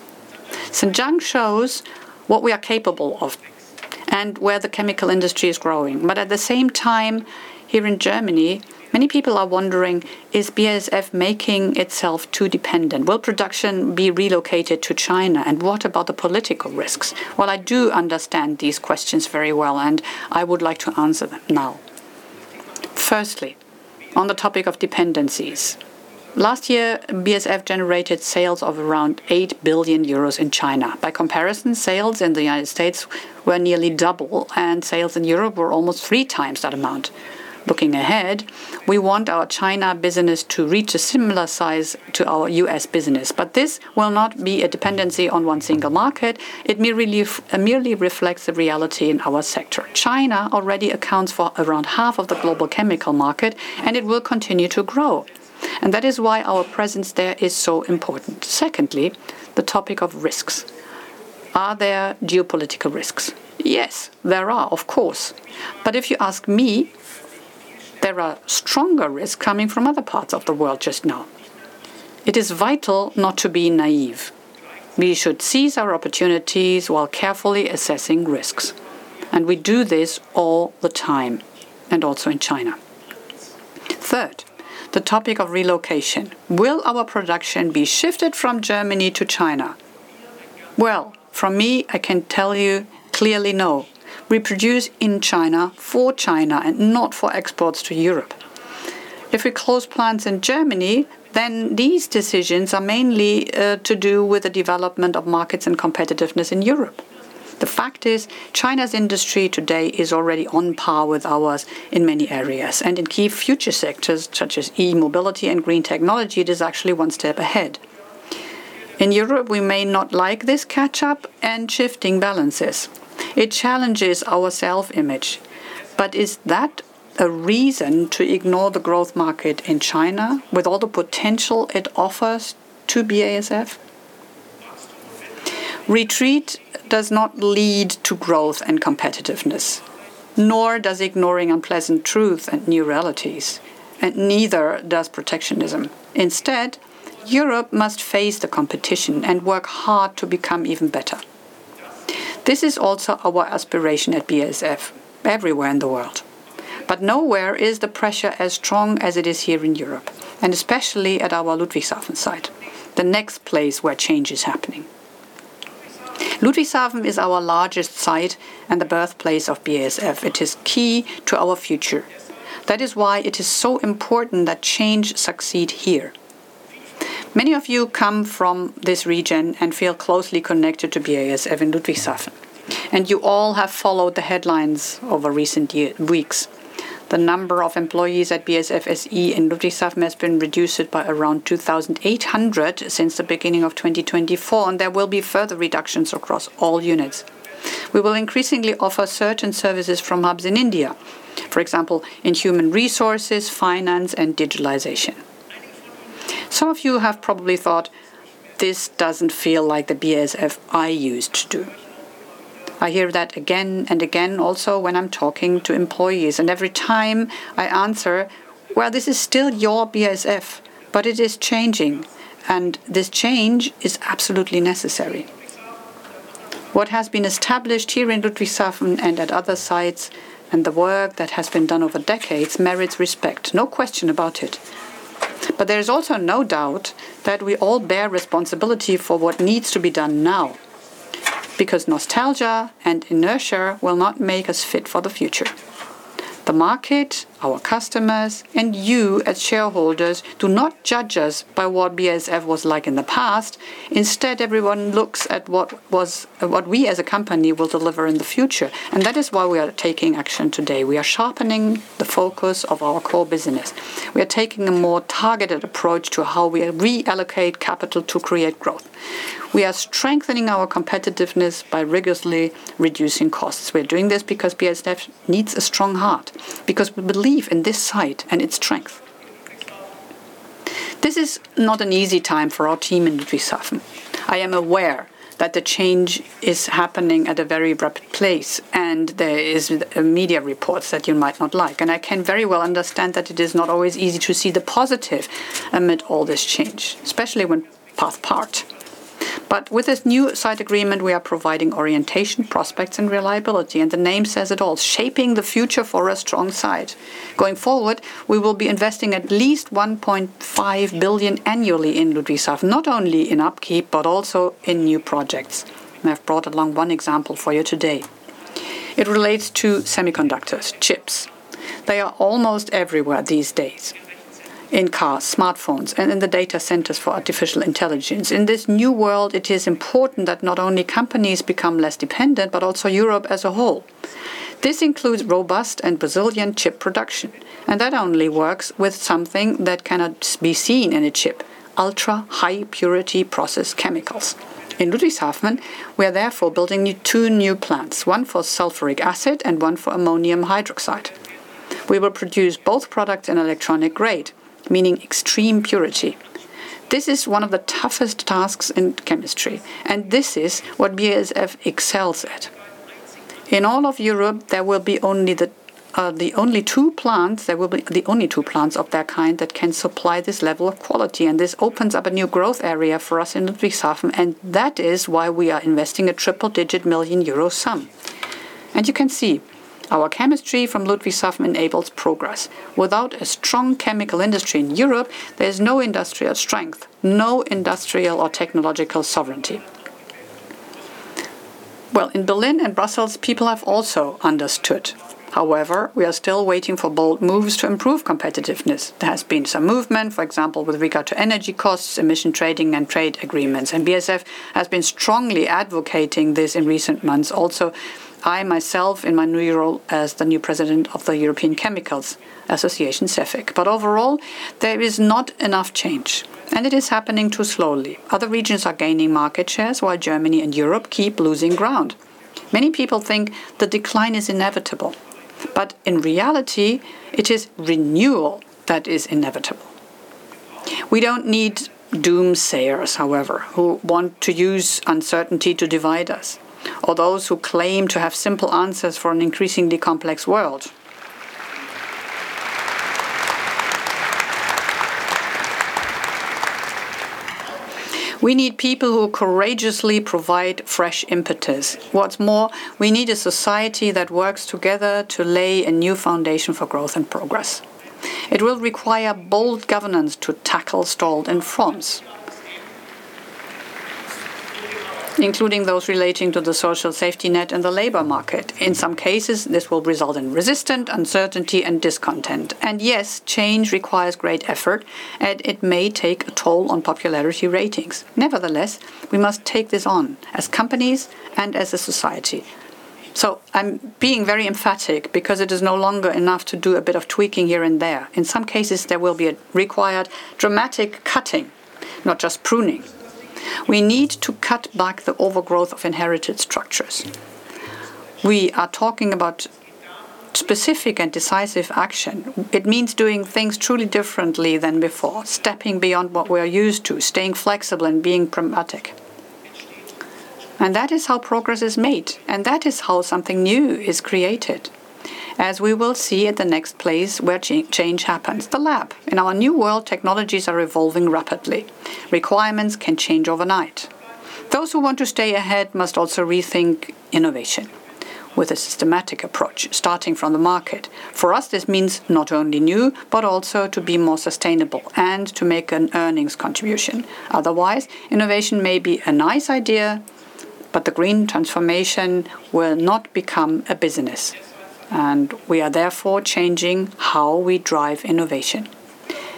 Zhanjiang shows what we are capable of and where the chemical industry is growing. At the same time, here in Germany, many people are wondering, "Is BASF making itself too dependent? Will production be relocated to China? And what about the political risks?" Well, I do understand these questions very well, and I would like to answer them now. Firstly, on the topic of dependencies. Last year, BASF generated sales of around 8 billion euros in China. By comparison, sales in the United States were nearly double, and sales in Europe were almost three times that amount. Looking ahead, we want our China business to reach a similar size to our U.S. business. This will not be a dependency on one single market. It merely reflects the reality in our sector. China already accounts for around half of the global chemical market, it will continue to grow. That is why our presence there is so important. Secondly, the topic of risks. Are there geopolitical risks? Yes, there are, of course. If you ask me, there are stronger risks coming from other parts of the world just now. It is vital not to be naive. We should seize our opportunities while carefully assessing risks, and we do this all the time, and also in China. Third, the topic of relocation. Will our production be shifted from Germany to China? Well, from me, I can tell you clearly, no. We produce in China for China and not for exports to Europe. If we close plants in Germany, then these decisions are mainly to do with the development of markets and competitiveness in Europe. The fact is China's industry today is already on par with ours in many areas. In key future sectors, such as e-mobility and green technology, it is actually one step ahead. In Europe, we may not like this catch-up and shifting balances. It challenges our self-image. Is that a reason to ignore the growth market in China with all the potential it offers to BASF? Retreat does not lead to growth and competitiveness, nor does ignoring unpleasant truths and new realities, and neither does protectionism. Instead, Europe must face the competition and work hard to become even better. This is also our aspiration at BASF everywhere in the world. Nowhere is the pressure as strong as it is here in Europe, and especially at our Ludwigshafen site, the next place where change is happening. Ludwigshafen is our largest site and the birthplace of BASF. It is key to our future. That is why it is so important that change succeed here. Many of you come from this region and feel closely connected to BASF in Ludwigshafen. You all have followed the headlines over recent weeks. The number of employees at BASF SE in Ludwigshafen has been reduced by around 2,800 since the beginning of 2024. There will be further reductions across all units. We will increasingly offer certain services from hubs in India. For example, in human resources, finance, and digitalization. Some of you have probably thought, "This doesn't feel like the BASF I used to." I hear that again and again also when I'm talking to employees. Every time I answer, "Well, this is still your BASF, but it is changing, and this change is absolutely necessary." What has been established here in Ludwigshafen and at other sites, and the work that has been done over decades merits respect, no question about it. There is also no doubt that we all bear responsibility for what needs to be done now because nostalgia and inertia will not make us fit for the future. The market, our customers, and you, as shareholders, do not judge us by what BASF was like in the past. Instead, everyone looks at what we as a company will deliver in the future, and that is why we are taking action today. We are sharpening the focus of our core business. We are taking a more targeted approach to how we reallocate capital to create growth. We are strengthening our competitiveness by rigorously reducing costs. We are doing this because BASF needs a strong heart, because we believe in this site and its strength. This is not an easy time for our team in Ludwigshafen. I am aware that the change is happening at a very abrupt place, there is media reports that you might not like. I can very well understand that it is not always easy to see the positive amid all this change, especially when paths part. With this new site agreement, we are providing orientation, prospects, and reliability. The name says it all, shaping the future for a strong site. Going forward, we will be investing at least 1.5 billion annually in Ludwigshafen, not only in upkeep but also in new projects. I've brought along one example for you today. It relates to semiconductors, chips. They are almost everywhere these days. In cars, smartphones, and in the data centers for artificial intelligence. In this new world, it is important that not only companies become less dependent, but also Europe as a whole. This includes robust and resilient chip production, and that only works with something that cannot be seen in a chip: ultra-high purity process chemicals. In Ludwigshafen, we are therefore building two new plants, one for sulfuric acid and one for ammonium hydroxide. We will produce both products in electronic grade, meaning extreme purity. This is one of the toughest tasks in chemistry, and this is what BASF excels at. In all of Europe, there will be the only two plants of that kind that can supply this level of quality. This opens up a new growth area for us in Ludwigshafen. That is why we are investing a triple-digit million euro sum. You can see our chemistry from Ludwigshafen enables progress. Without a strong chemical industry in Europe, there is no industrial strength, no industrial or technological sovereignty. Well, in Berlin and Brussels, people have also understood. However, we are still waiting for bold moves to improve competitiveness. There has been some movement, for example, with regard to energy costs, emission trading, and trade agreements. BASF has been strongly advocating this in recent months, also I myself, in my new role as the new President of the European Chemicals Association, CEFIC. Overall, there is not enough change, and it is happening too slowly. Other regions are gaining market shares while Germany and Europe keep losing ground. Many people think the decline is inevitable, but in reality, it is renewal that is inevitable. We don't need doomsayers, however, who want to use uncertainty to divide us, or those who claim to have simple answers for an increasingly complex world. We need people who courageously provide fresh impetus. What's more, we need a society that works together to lay a new foundation for growth and progress. It will require bold governance to tackle stalled reforms. Including those relating to the social safety net and the labor market. In some cases, this will result in resistant uncertainty and discontent. Yes, change requires great effort, and it may take a toll on popularity ratings. Nevertheless, we must take this on as companies and as a society. I'm being very emphatic because it is no longer enough to do a bit of tweaking here and there. In some cases, there will be a required dramatic cutting, not just pruning. We need to cut back the overgrowth of inherited structures. We are talking about specific and decisive action. It means doing things truly differently than before, stepping beyond what we are used to, staying flexible and being pragmatic. That is how progress is made, and that is how something new is created. As we will see at the next place where change happens, the lab. In our new world, technologies are evolving rapidly. Requirements can change overnight. Those who want to stay ahead must also rethink innovation with a systematic approach starting from the market. For us, this means not only new, but also to be more sustainable and to make an earnings contribution. Otherwise, innovation may be a nice idea, but the green transformation will not become a business, and we are therefore changing how we drive innovation.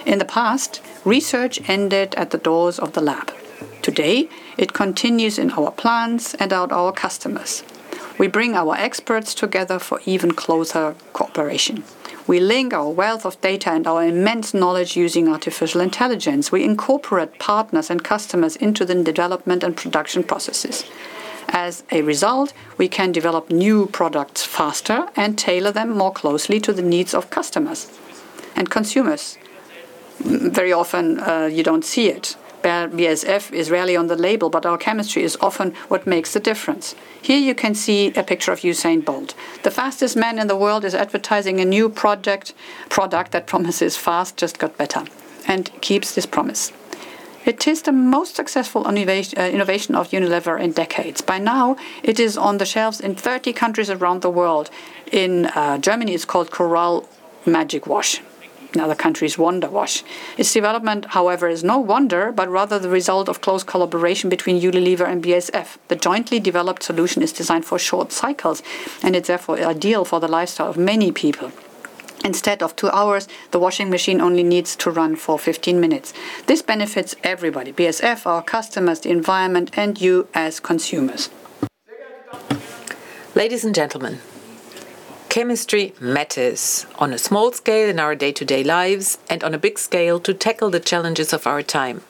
In the past, research ended at the doors of the lab. Today, it continues in our plants and at our customers. We bring our experts together for even closer cooperation. We link our wealth of data and our immense knowledge using artificial intelligence. We incorporate partners and customers into the development and production processes. As a result, we can develop new products faster and tailor them more closely to the needs of customers and consumers. Very often, you don't see it. BASF is rarely on the label, but our chemistry is often what makes a difference. Here you can see a picture of Usain Bolt. The fastest man in the world is advertising a new product that promises fast just got better and keeps this promise. It is the most successful innovation of Unilever in decades. By now, it is on the shelves in 30 countries around the world. In Germany, it's called Coral Magic Wash. In other countries, Wonder Wash. Its development, however, is no wonder, but rather the result of close collaboration between Unilever and BASF. The jointly developed solution is designed for short cycles, it's therefore ideal for the lifestyle of many people. Instead of two hours, the washing machine only needs to run for 15-minutes. This benefits everybody, BASF, our customers, the environment, and you as consumers. Ladies and gentlemen, chemistry matters on a small scale in our day-to-day lives and on a big scale to tackle the challenges of our time.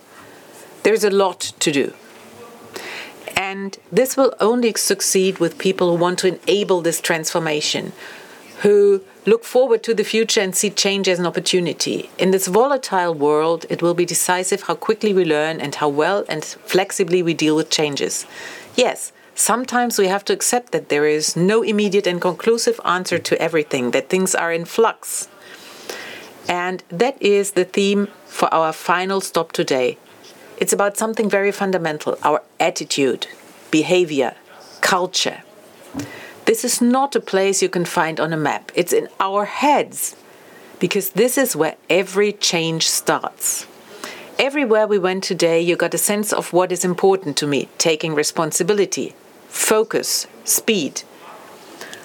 There is a lot to do, and this will only succeed with people who want to enable this transformation, who look forward to the future and see change as an opportunity. In this volatile world, it will be decisive how quickly we learn and how well and flexibly we deal with changes. Yes, sometimes we have to accept that there is no immediate and conclusive answer to everything, that things are in flux. That is the theme for our final stop today. It's about something very fundamental, our attitude, behavior, culture. This is not a place you can find on a map. It's in our heads because this is where every change starts. Everywhere we went today, you got a sense of what is important to me, taking responsibility, focus, speed.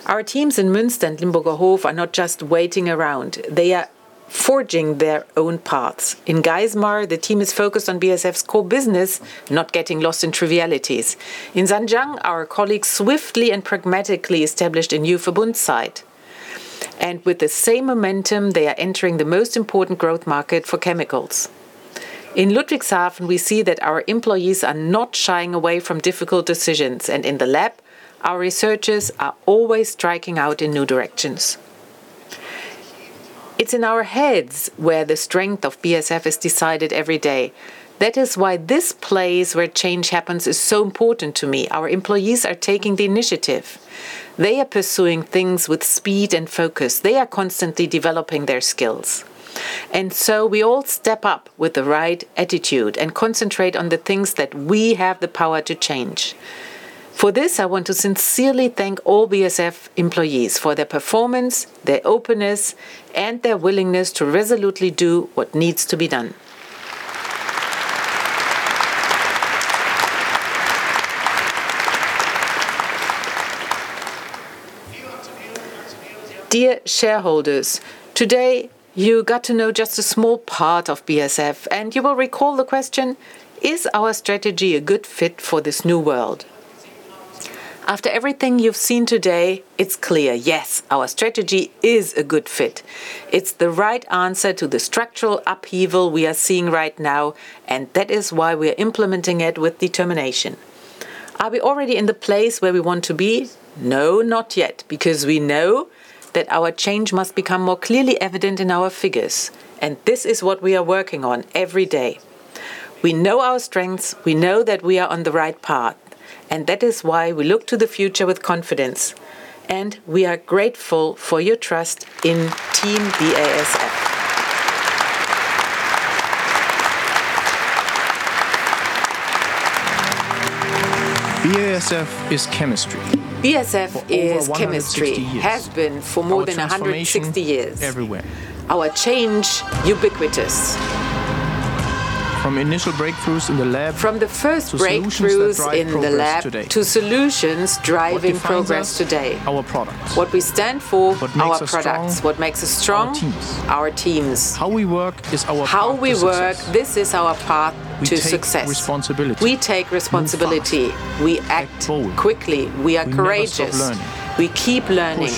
Our teams in Münster and Limburgerhof are not just waiting around. They are forging their own paths. In Geismar, the team is focused on BASF's core business, not getting lost in trivialities. In Zhanjiang, our colleagues swiftly and pragmatically established a new Verbund site, and with the same momentum, they are entering the most important growth market for chemicals. In Ludwigshafen, we see that our employees are not shying away from difficult decisions, and in the lab, our researchers are always striking out in new directions. It's in our heads where the strength of BASF is decided every day. That is why this place where change happens is so important to me. Our employees are taking the initiative. They are pursuing things with speed and focus. They are constantly developing their skills. We all step up with the right attitude and concentrate on the things that we have the power to change. For this, I want to sincerely thank all BASF employees for their performance, their openness, and their willingness to resolutely do what needs to be done. Dear shareholders, today you got to know just a small part of BASF, and you will recall the question: Is our strategy a good fit for this new world? After everything you've seen today, it's clear, yes, our strategy is a good fit. It's the right answer to the structural upheaval we are seeing right now. That is why we are implementing it with determination. Are we already in the place where we want to be? No, not yet, because we know that our change must become more clearly evident in our figures, and this is what we are working on every day. We know our strengths. We know that we are on the right path, From the first breakthroughs in the lab to solutions that drive progress today. What we stand for, our products. What makes us strong? Our teams. How we work, this is our path to success. We take responsibility. We act quickly. We are courageous. We keep learning.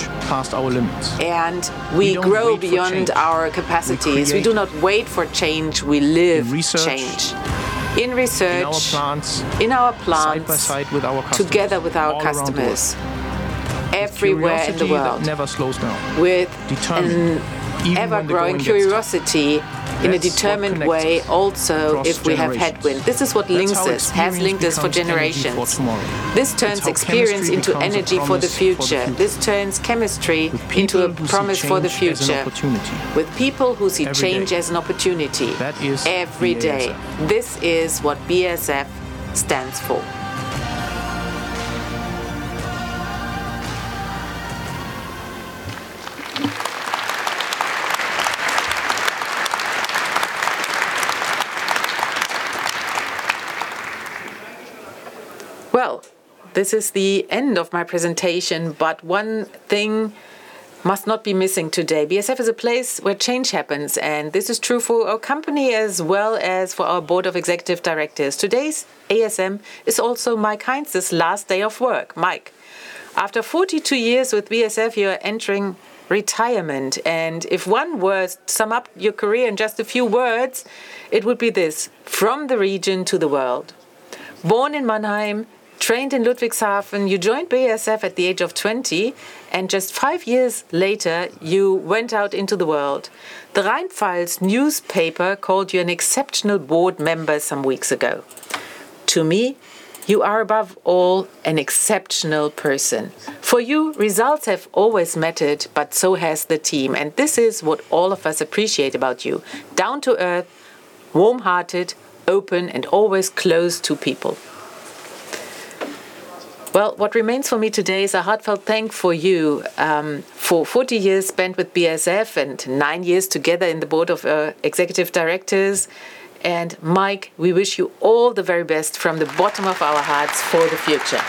We grow beyond our capacities. We do not wait for change, we live change. In research, in our plants, together with our customers. Everywhere in the world. With an ever-growing curiosity. In a determined way, also if we have headwind. This is what links us, has linked us for generations. This turns experience into energy for the future. This turns chemistry into a promise for the future. With people who see change as an opportunity every day. This is what BASF stands for. This is the end of my presentation, but one thing must not be missing today. BASF is a place where change happens, and this is true for our company as well as for our Board of Executive Directors. Today's ASM is also Mike Heinz's last day of work. Mike, after 42 years with BASF, you are entering retirement, and if one were to sum up your career in just a few words, it would be this: From the region to the world. Born in Mannheim, trained in Ludwigshafen, you joined BASF at the age of 20, and just five years later, you went out into the world. The Die Rheinpfalz newspaper called you an exceptional board member some weeks ago. To me, you are, above all, an exceptional person. For you, results have always mattered, but so has the team, and this is what all of us appreciate about you. Down-to-earth, warm-hearted, open, and always close to people. Well, what remains for me today is a heartfelt thank for you, for 40 years spent with BASF and nine years together in the Board of Executive Directors. Mike, we wish you all the very best from the bottom of our hearts for the future.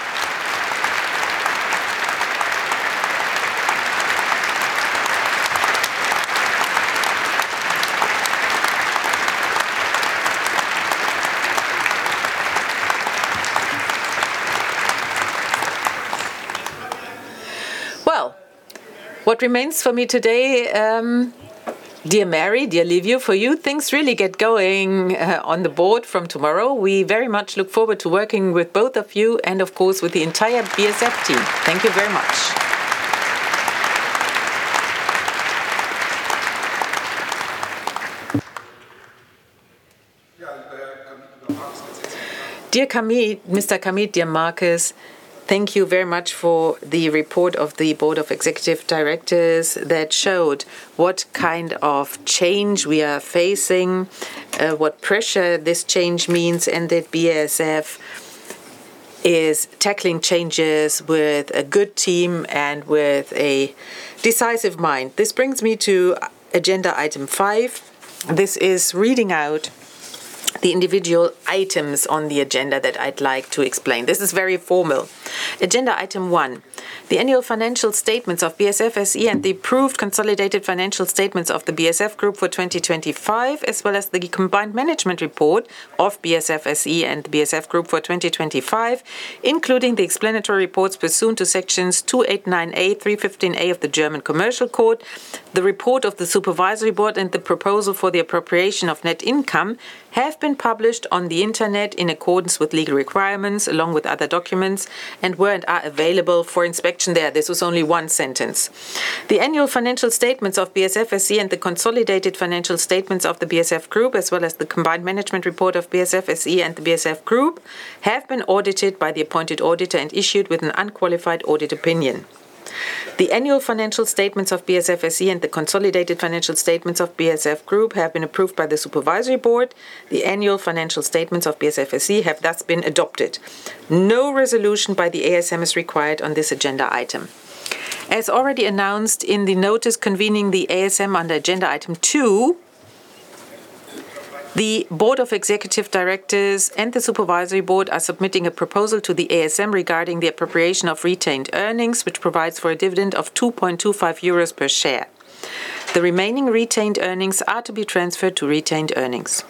Well, what remains for me today, dear Mary, dear Livio, for you, things really get going on the Board from tomorrow. We very much look forward to working with both of you and, of course, with the entire BASF team. Thank you very much. Dear [Kamieth], Mr. Kamieth, dear Markus, thank you very much for the report of the Board of Executive Directors that showed what kind of change we are facing, what pressure this change means, and that BASF is tackling changes with a good team and with a decisive mind. This brings me to Agenda Item 5. This is reading out the individual items on the agenda that I'd like to explain. This is very formal. Agenda Item 1, the Annual Financial Statements of BASF SE and the approved Consolidated Financial Statements of the BASF Group for 2025, as well as the Combined Management Report of BASF SE and BASF Group for 2025, including the explanatory reports pursuant to Sections 289a, 315a of the German Commercial Code, the report of the Supervisory Board, and the proposal for the appropriation of net income have been published on the internet in accordance with legal requirements, along with other documents, and were and are available for inspection there. This was only one sentence. The Annual Financial Statements of BASF SE and the Consolidated Financial Statements of the BASF Group, as well as the Combined Management Report of BASF SE and the BASF Group, have been audited by the appointed auditor and issued with an unqualified audit opinion. The Annual Financial Statements of BASF SE and the Consolidated Financial Statements of BASF Group have been approved by the Supervisory Board. The Annual Financial Statements of BASF SE have thus been adopted. No resolution by the ASM is required on this agenda item. As already announced in the notice convening the ASM under Agenda Item 2, the Board of Executive Directors and the Supervisory Board are submitting a proposal to the ASM regarding the appropriation of retained earnings, which provides for a dividend of 2.25 euros per share. The remaining retained earnings are to be transferred to retained earnings.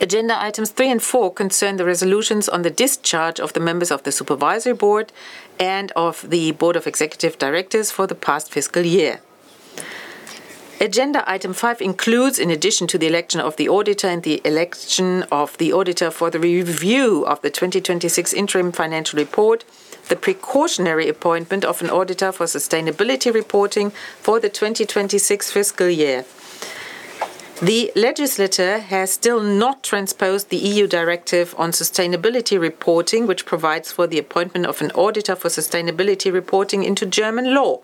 Agenda Items 3 and 4 concern the resolutions on the discharge of the members of the Supervisory Board and of the Board of Executive Directors for the past fiscal year. Agenda Item 5 includes, in addition to the election of the auditor and the election of the auditor for the review of the 2026 interim financial report, the precautionary appointment of an auditor for sustainability reporting for the 2026 fiscal year. The legislator has still not transposed the EU Directive on Sustainability Reporting, which provides for the appointment of an auditor for sustainability reporting into German law.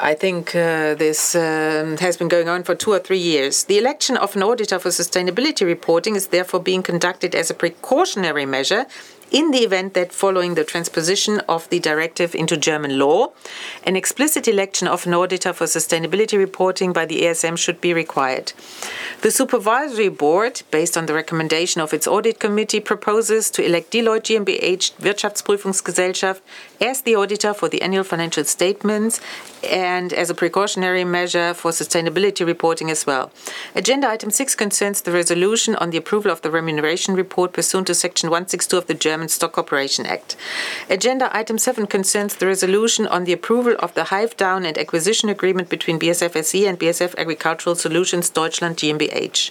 I think this has been going on for two or three years. Therefore, the election of an auditor for sustainability reporting is being conducted as a precautionary measure in the event that following the transposition of the Directive into German law, an explicit election of an auditor for sustainability reporting by the ASM should be required. The Supervisory Board, based on the recommendation of its Audit committee, proposes to elect Deloitte GmbH Wirtschaftsprüfungsgesellschaft as the auditor for the Annual Financial Statements and as a precautionary measure for sustainability reporting as well. Agenda Item 6 concerns the resolution on the approval of the remuneration report pursuant to Section 162 of the German Stock Corporation Act. Agenda Item 7 concerns the resolution on the approval of the hive-down and acquisition agreement between BASF SE and BASF Agricultural Solutions Deutschland GmbH.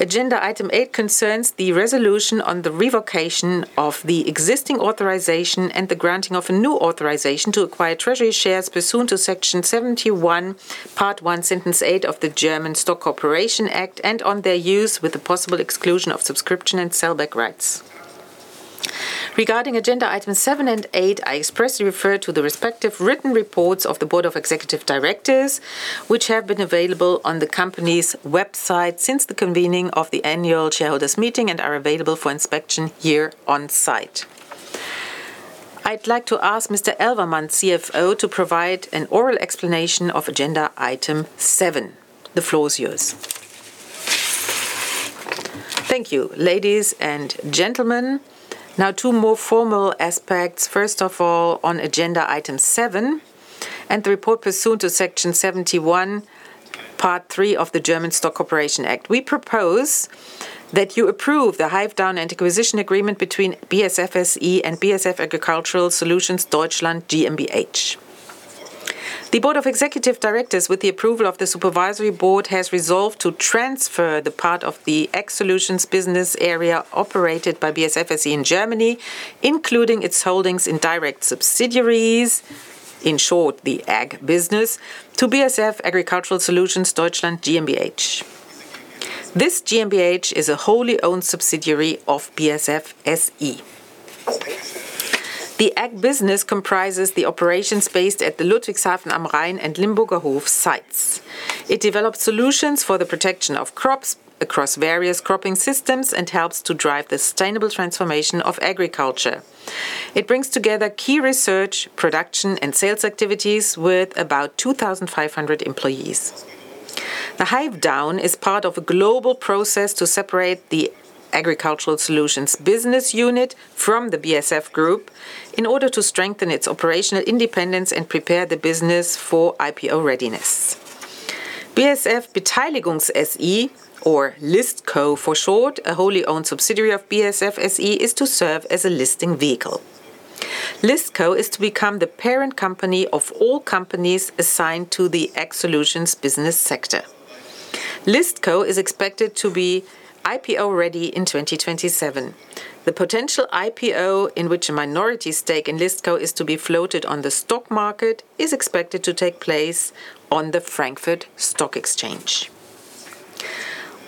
Agenda Item 8 concerns the resolution on the revocation of the existing authorization and the granting of a new authorization to acquire treasury shares pursuant to Section 71, Part 1, Sentence 8 of the German Stock Corporation Act and on their use with the possible exclusion of subscription and sell-back rights. Regarding Agenda Item 7 and 8, I expressly refer to the respective written reports of the Board of Executive Directors, which have been available on the company's website since the convening of the Annual Shareholders' Meeting and are available for inspection here on-site. I'd like to ask Mr. Elvermann, CFO, to provide an oral explanation of Agenda Item 7. The floor is yours. Thank you. Ladies and gentlemen, now two more formal aspects. First of all, on Agenda Item 7 and the report pursuant to Section 71, Part 3 of the German Stock Corporation Act. We propose that you approve the hive-down and acquisition agreement between BASF SE and BASF Agricultural Solutions Deutschland GmbH. The Board of Executive Directors, with the approval of the Supervisory Board, has resolved to transfer the part of the Agricultural Solutions business area operated by BASF SE in Germany, including its holdings in direct subsidiaries, in short, the Ag business, to BASF Agricultural Solutions Deutschland GmbH. This GmbH is a wholly owned subsidiary of BASF SE. The Ag business comprises the operations based at the Ludwigshafen am Rhein and Limburgerhof sites. It develops solutions for the protection of crops across various cropping systems and helps to drive the sustainable transformation of agriculture. It brings together key research, production, and sales activities with about 2,500 employees. The hive-down is part of a global process to separate the Agricultural Solutions business unit from the BASF Group in order to strengthen its operational independence and prepare the business for IPO readiness. BASF Beteiligungs-SE, or ListCo for short, a wholly owned subsidiary of BASF SE, is to serve as a listing vehicle. ListCo is to become the parent company of all companies assigned to the Ag Solutions business sector. ListCo is expected to be IPO-ready in 2027. The potential IPO, in which a minority stake in ListCo is to be floated on the stock market, is expected to take place on the Frankfurt Stock Exchange.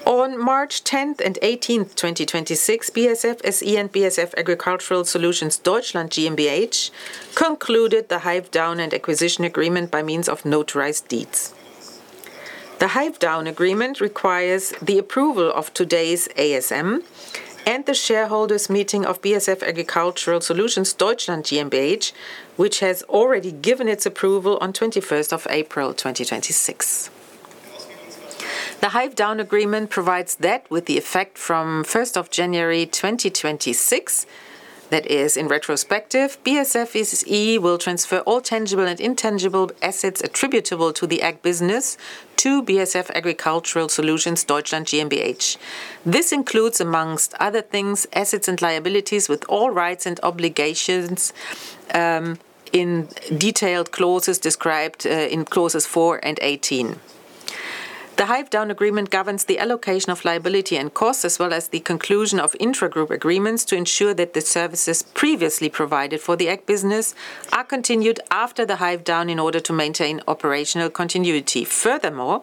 On March 10th and 18th, 2026, BASF SE and BASF Agricultural Solutions Deutschland GmbH concluded the hive-down and acquisition agreement by means of notarized deeds. The Hive-down Agreement requires the approval of today's ASM and the Shareholders' Meeting of BASF Agricultural Solutions Deutschland GmbH, which has already given its approval on 21st of April, 2026. The Hive-down Agreement provides that with the effect from 1st of January, 2026, that is, in retrospective, BASF SE will transfer all tangible and intangible assets attributable to the Ag Business to BASF Agricultural Solutions Deutschland GmbH. This includes, amongst other things, assets and liabilities with all rights and obligations, in detailed clauses described in clauses 4 and 18. The Hive-down Agreement governs the allocation of liability and costs as well as the conclusion of intragroup agreements to ensure that the services previously provided for the Ag Business are continued after the hive-down in order to maintain operational continuity. Furthermore,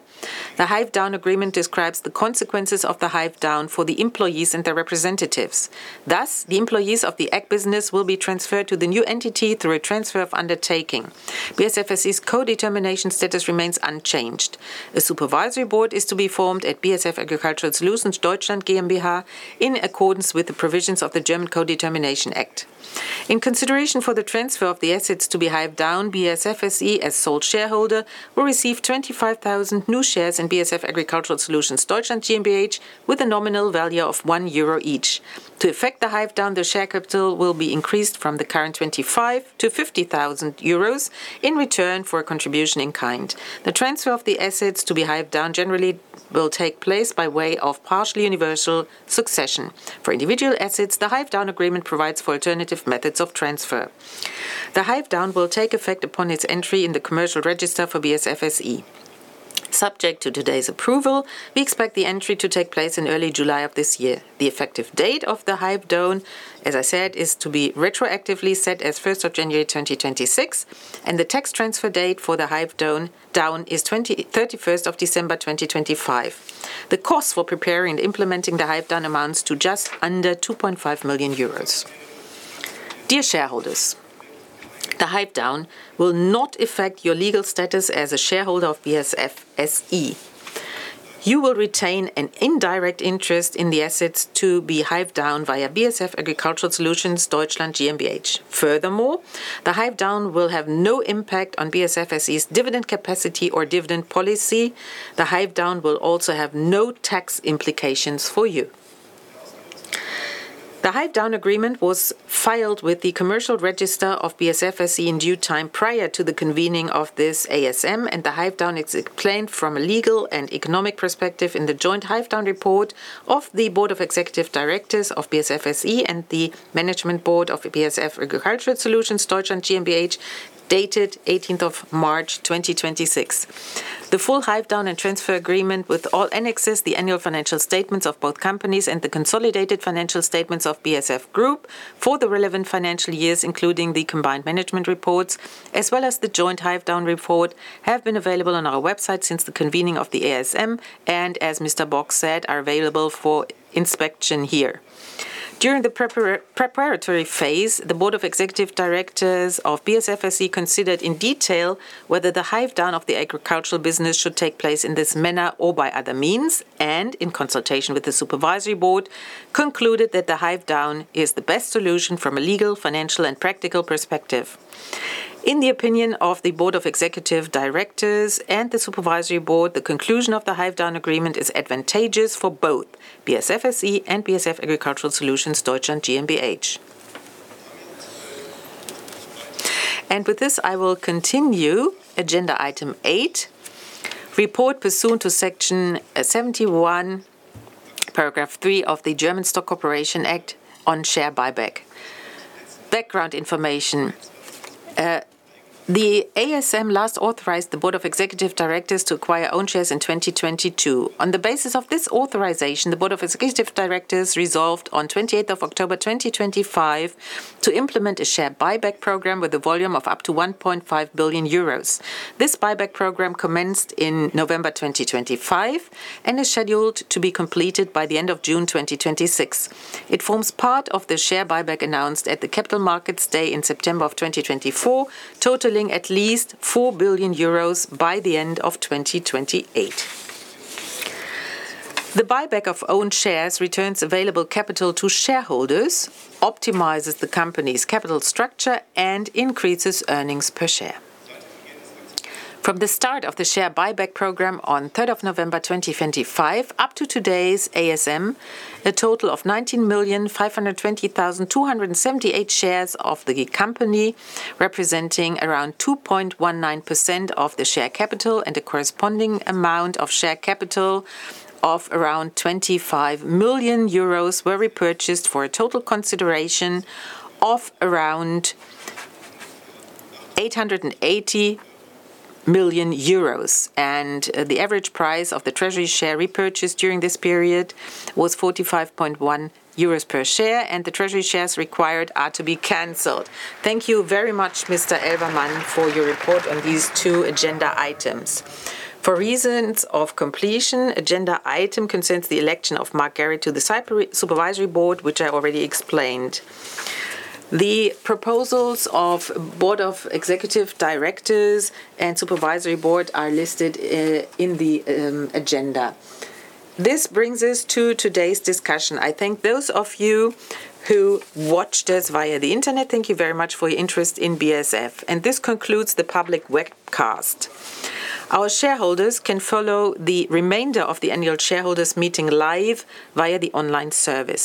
the Hive-down Agreement describes the consequences of the hive-down for the employees and their representatives. Thus, the employees of the Ag Business will be transferred to the new entity through a transfer of undertaking. BASF SE's codetermination status remains unchanged. A Supervisory Board is to be formed at BASF Agricultural Solutions Deutschland GmbH in accordance with the provisions of the German Codetermination Act. In consideration for the transfer of the assets to be hived down, BASF SE as sole shareholder will receive 25,000 new shares in BASF Agricultural Solutions Deutschland GmbH with a nominal value of 1 euro each. To effect the hive-down, the share capital will be increased from the current 25,000 to 50,000 euros in return for a contribution in kind. The transfer of the assets to be hived down generally will take place by way of partially universal succession. For individual assets, the Hive-down Agreement provides for alternative methods of transfer. The hive-down will take effect upon its entry in the commercial register for BASF SE. Subject to today's approval, we expect the entry to take place in early July of this year. The effective date of the hive-down, as I said, is to be retroactively set as 1st of January, 2026, and the tax transfer date for the hive-down is 31st of December, 2025. The cost for preparing and implementing the hive-down amounts to just under 2.5 million euros. Dear shareholders, the hive-down will not affect your legal status as a shareholder of BASF SE. You will retain an indirect interest in the assets to be hived down via BASF Agricultural Solutions Deutschland GmbH. Furthermore, the hive-down will have no impact on BASF SE's dividend capacity or dividend policy. The hive-down will also have no tax implications for you. The Hive-down Agreement was filed with the commercial register of BASF SE in due time prior to the convening of this ASM, and the hive-down is explained from a legal and economic perspective in the joint hive-down report of the Board of Executive Directors of BASF SE and the Management Board of the BASF Agricultural Solutions Deutschland GmbH, dated 18th of March, 2026. The full hive-down and transfer agreement with all annexes, the Annual Financial Statements of both companies, and the Consolidated Financial Statements of BASF Group for the relevant financial years, including the Combined Management Reports, as well as the joint hive-down report, have been available on our website since the convening of the ASM and, as Mr. Bock said, are available for inspection here. During the preparatory phase, the Board of Executive Directors of BASF SE considered in detail whether the hive-down of the Agricultural Solutions should take place in this manner or by other means and, in consultation with the Supervisory Board, concluded that the hive-down is the best solution from a legal, financial, and practical perspective. In the opinion of the Board of Executive Directors and the Supervisory Board, the conclusion of the Hive-down Agreement is advantageous for both BASF SE and BASF Agricultural Solutions Deutschland GmbH. With this, I will continue Agenda Item 8: report pursuant to Section 71, paragraph 3 of the German Stock Corporation Act on share buyback. Background information. The ASM last authorized the Board of Executive Directors to acquire own shares in 2022. On the basis of this authorization, the Board of Executive Directors resolved on 28th of October, 2025, to implement a share buyback program with a volume of up to 1.5 billion euros. This buyback program commenced in November 2025 and is scheduled to be completed by the end of June 2026. It forms part of the share buyback announced at the Capital Markets Day in September 2024, totaling at least 4 billion euros by the end of 2028. The buyback of own shares returns available capital to shareholders, optimizes the company's capital structure, and increases earnings per share. From the start of the share buyback program on 3rd of November, 2025, up to today's ASM, a total of 19,520,278 shares of the company, representing around 2.19% of the share capital and a corresponding amount of share capital of around 25 million euros, were repurchased for a total consideration of around 880 million euros. The average price of the treasury share repurchased during this period was 45.1 euros per share. The treasury shares required are to be canceled. Thank you very much, Mr. Elvermann, for your report on these two agenda items. For reasons of completion, agenda item concerns the election of Mark Garrett to the Supervisory Board, which I already explained. The proposals of Board of Executive Directors and Supervisory Board are listed in the agenda. This brings us to today's discussion. I thank those of you who watched us via the internet. Thank you very much for your interest in BASF. This concludes the public webcast. Our shareholders can follow the remainder of the Annual Shareholders' Meeting live via the online service.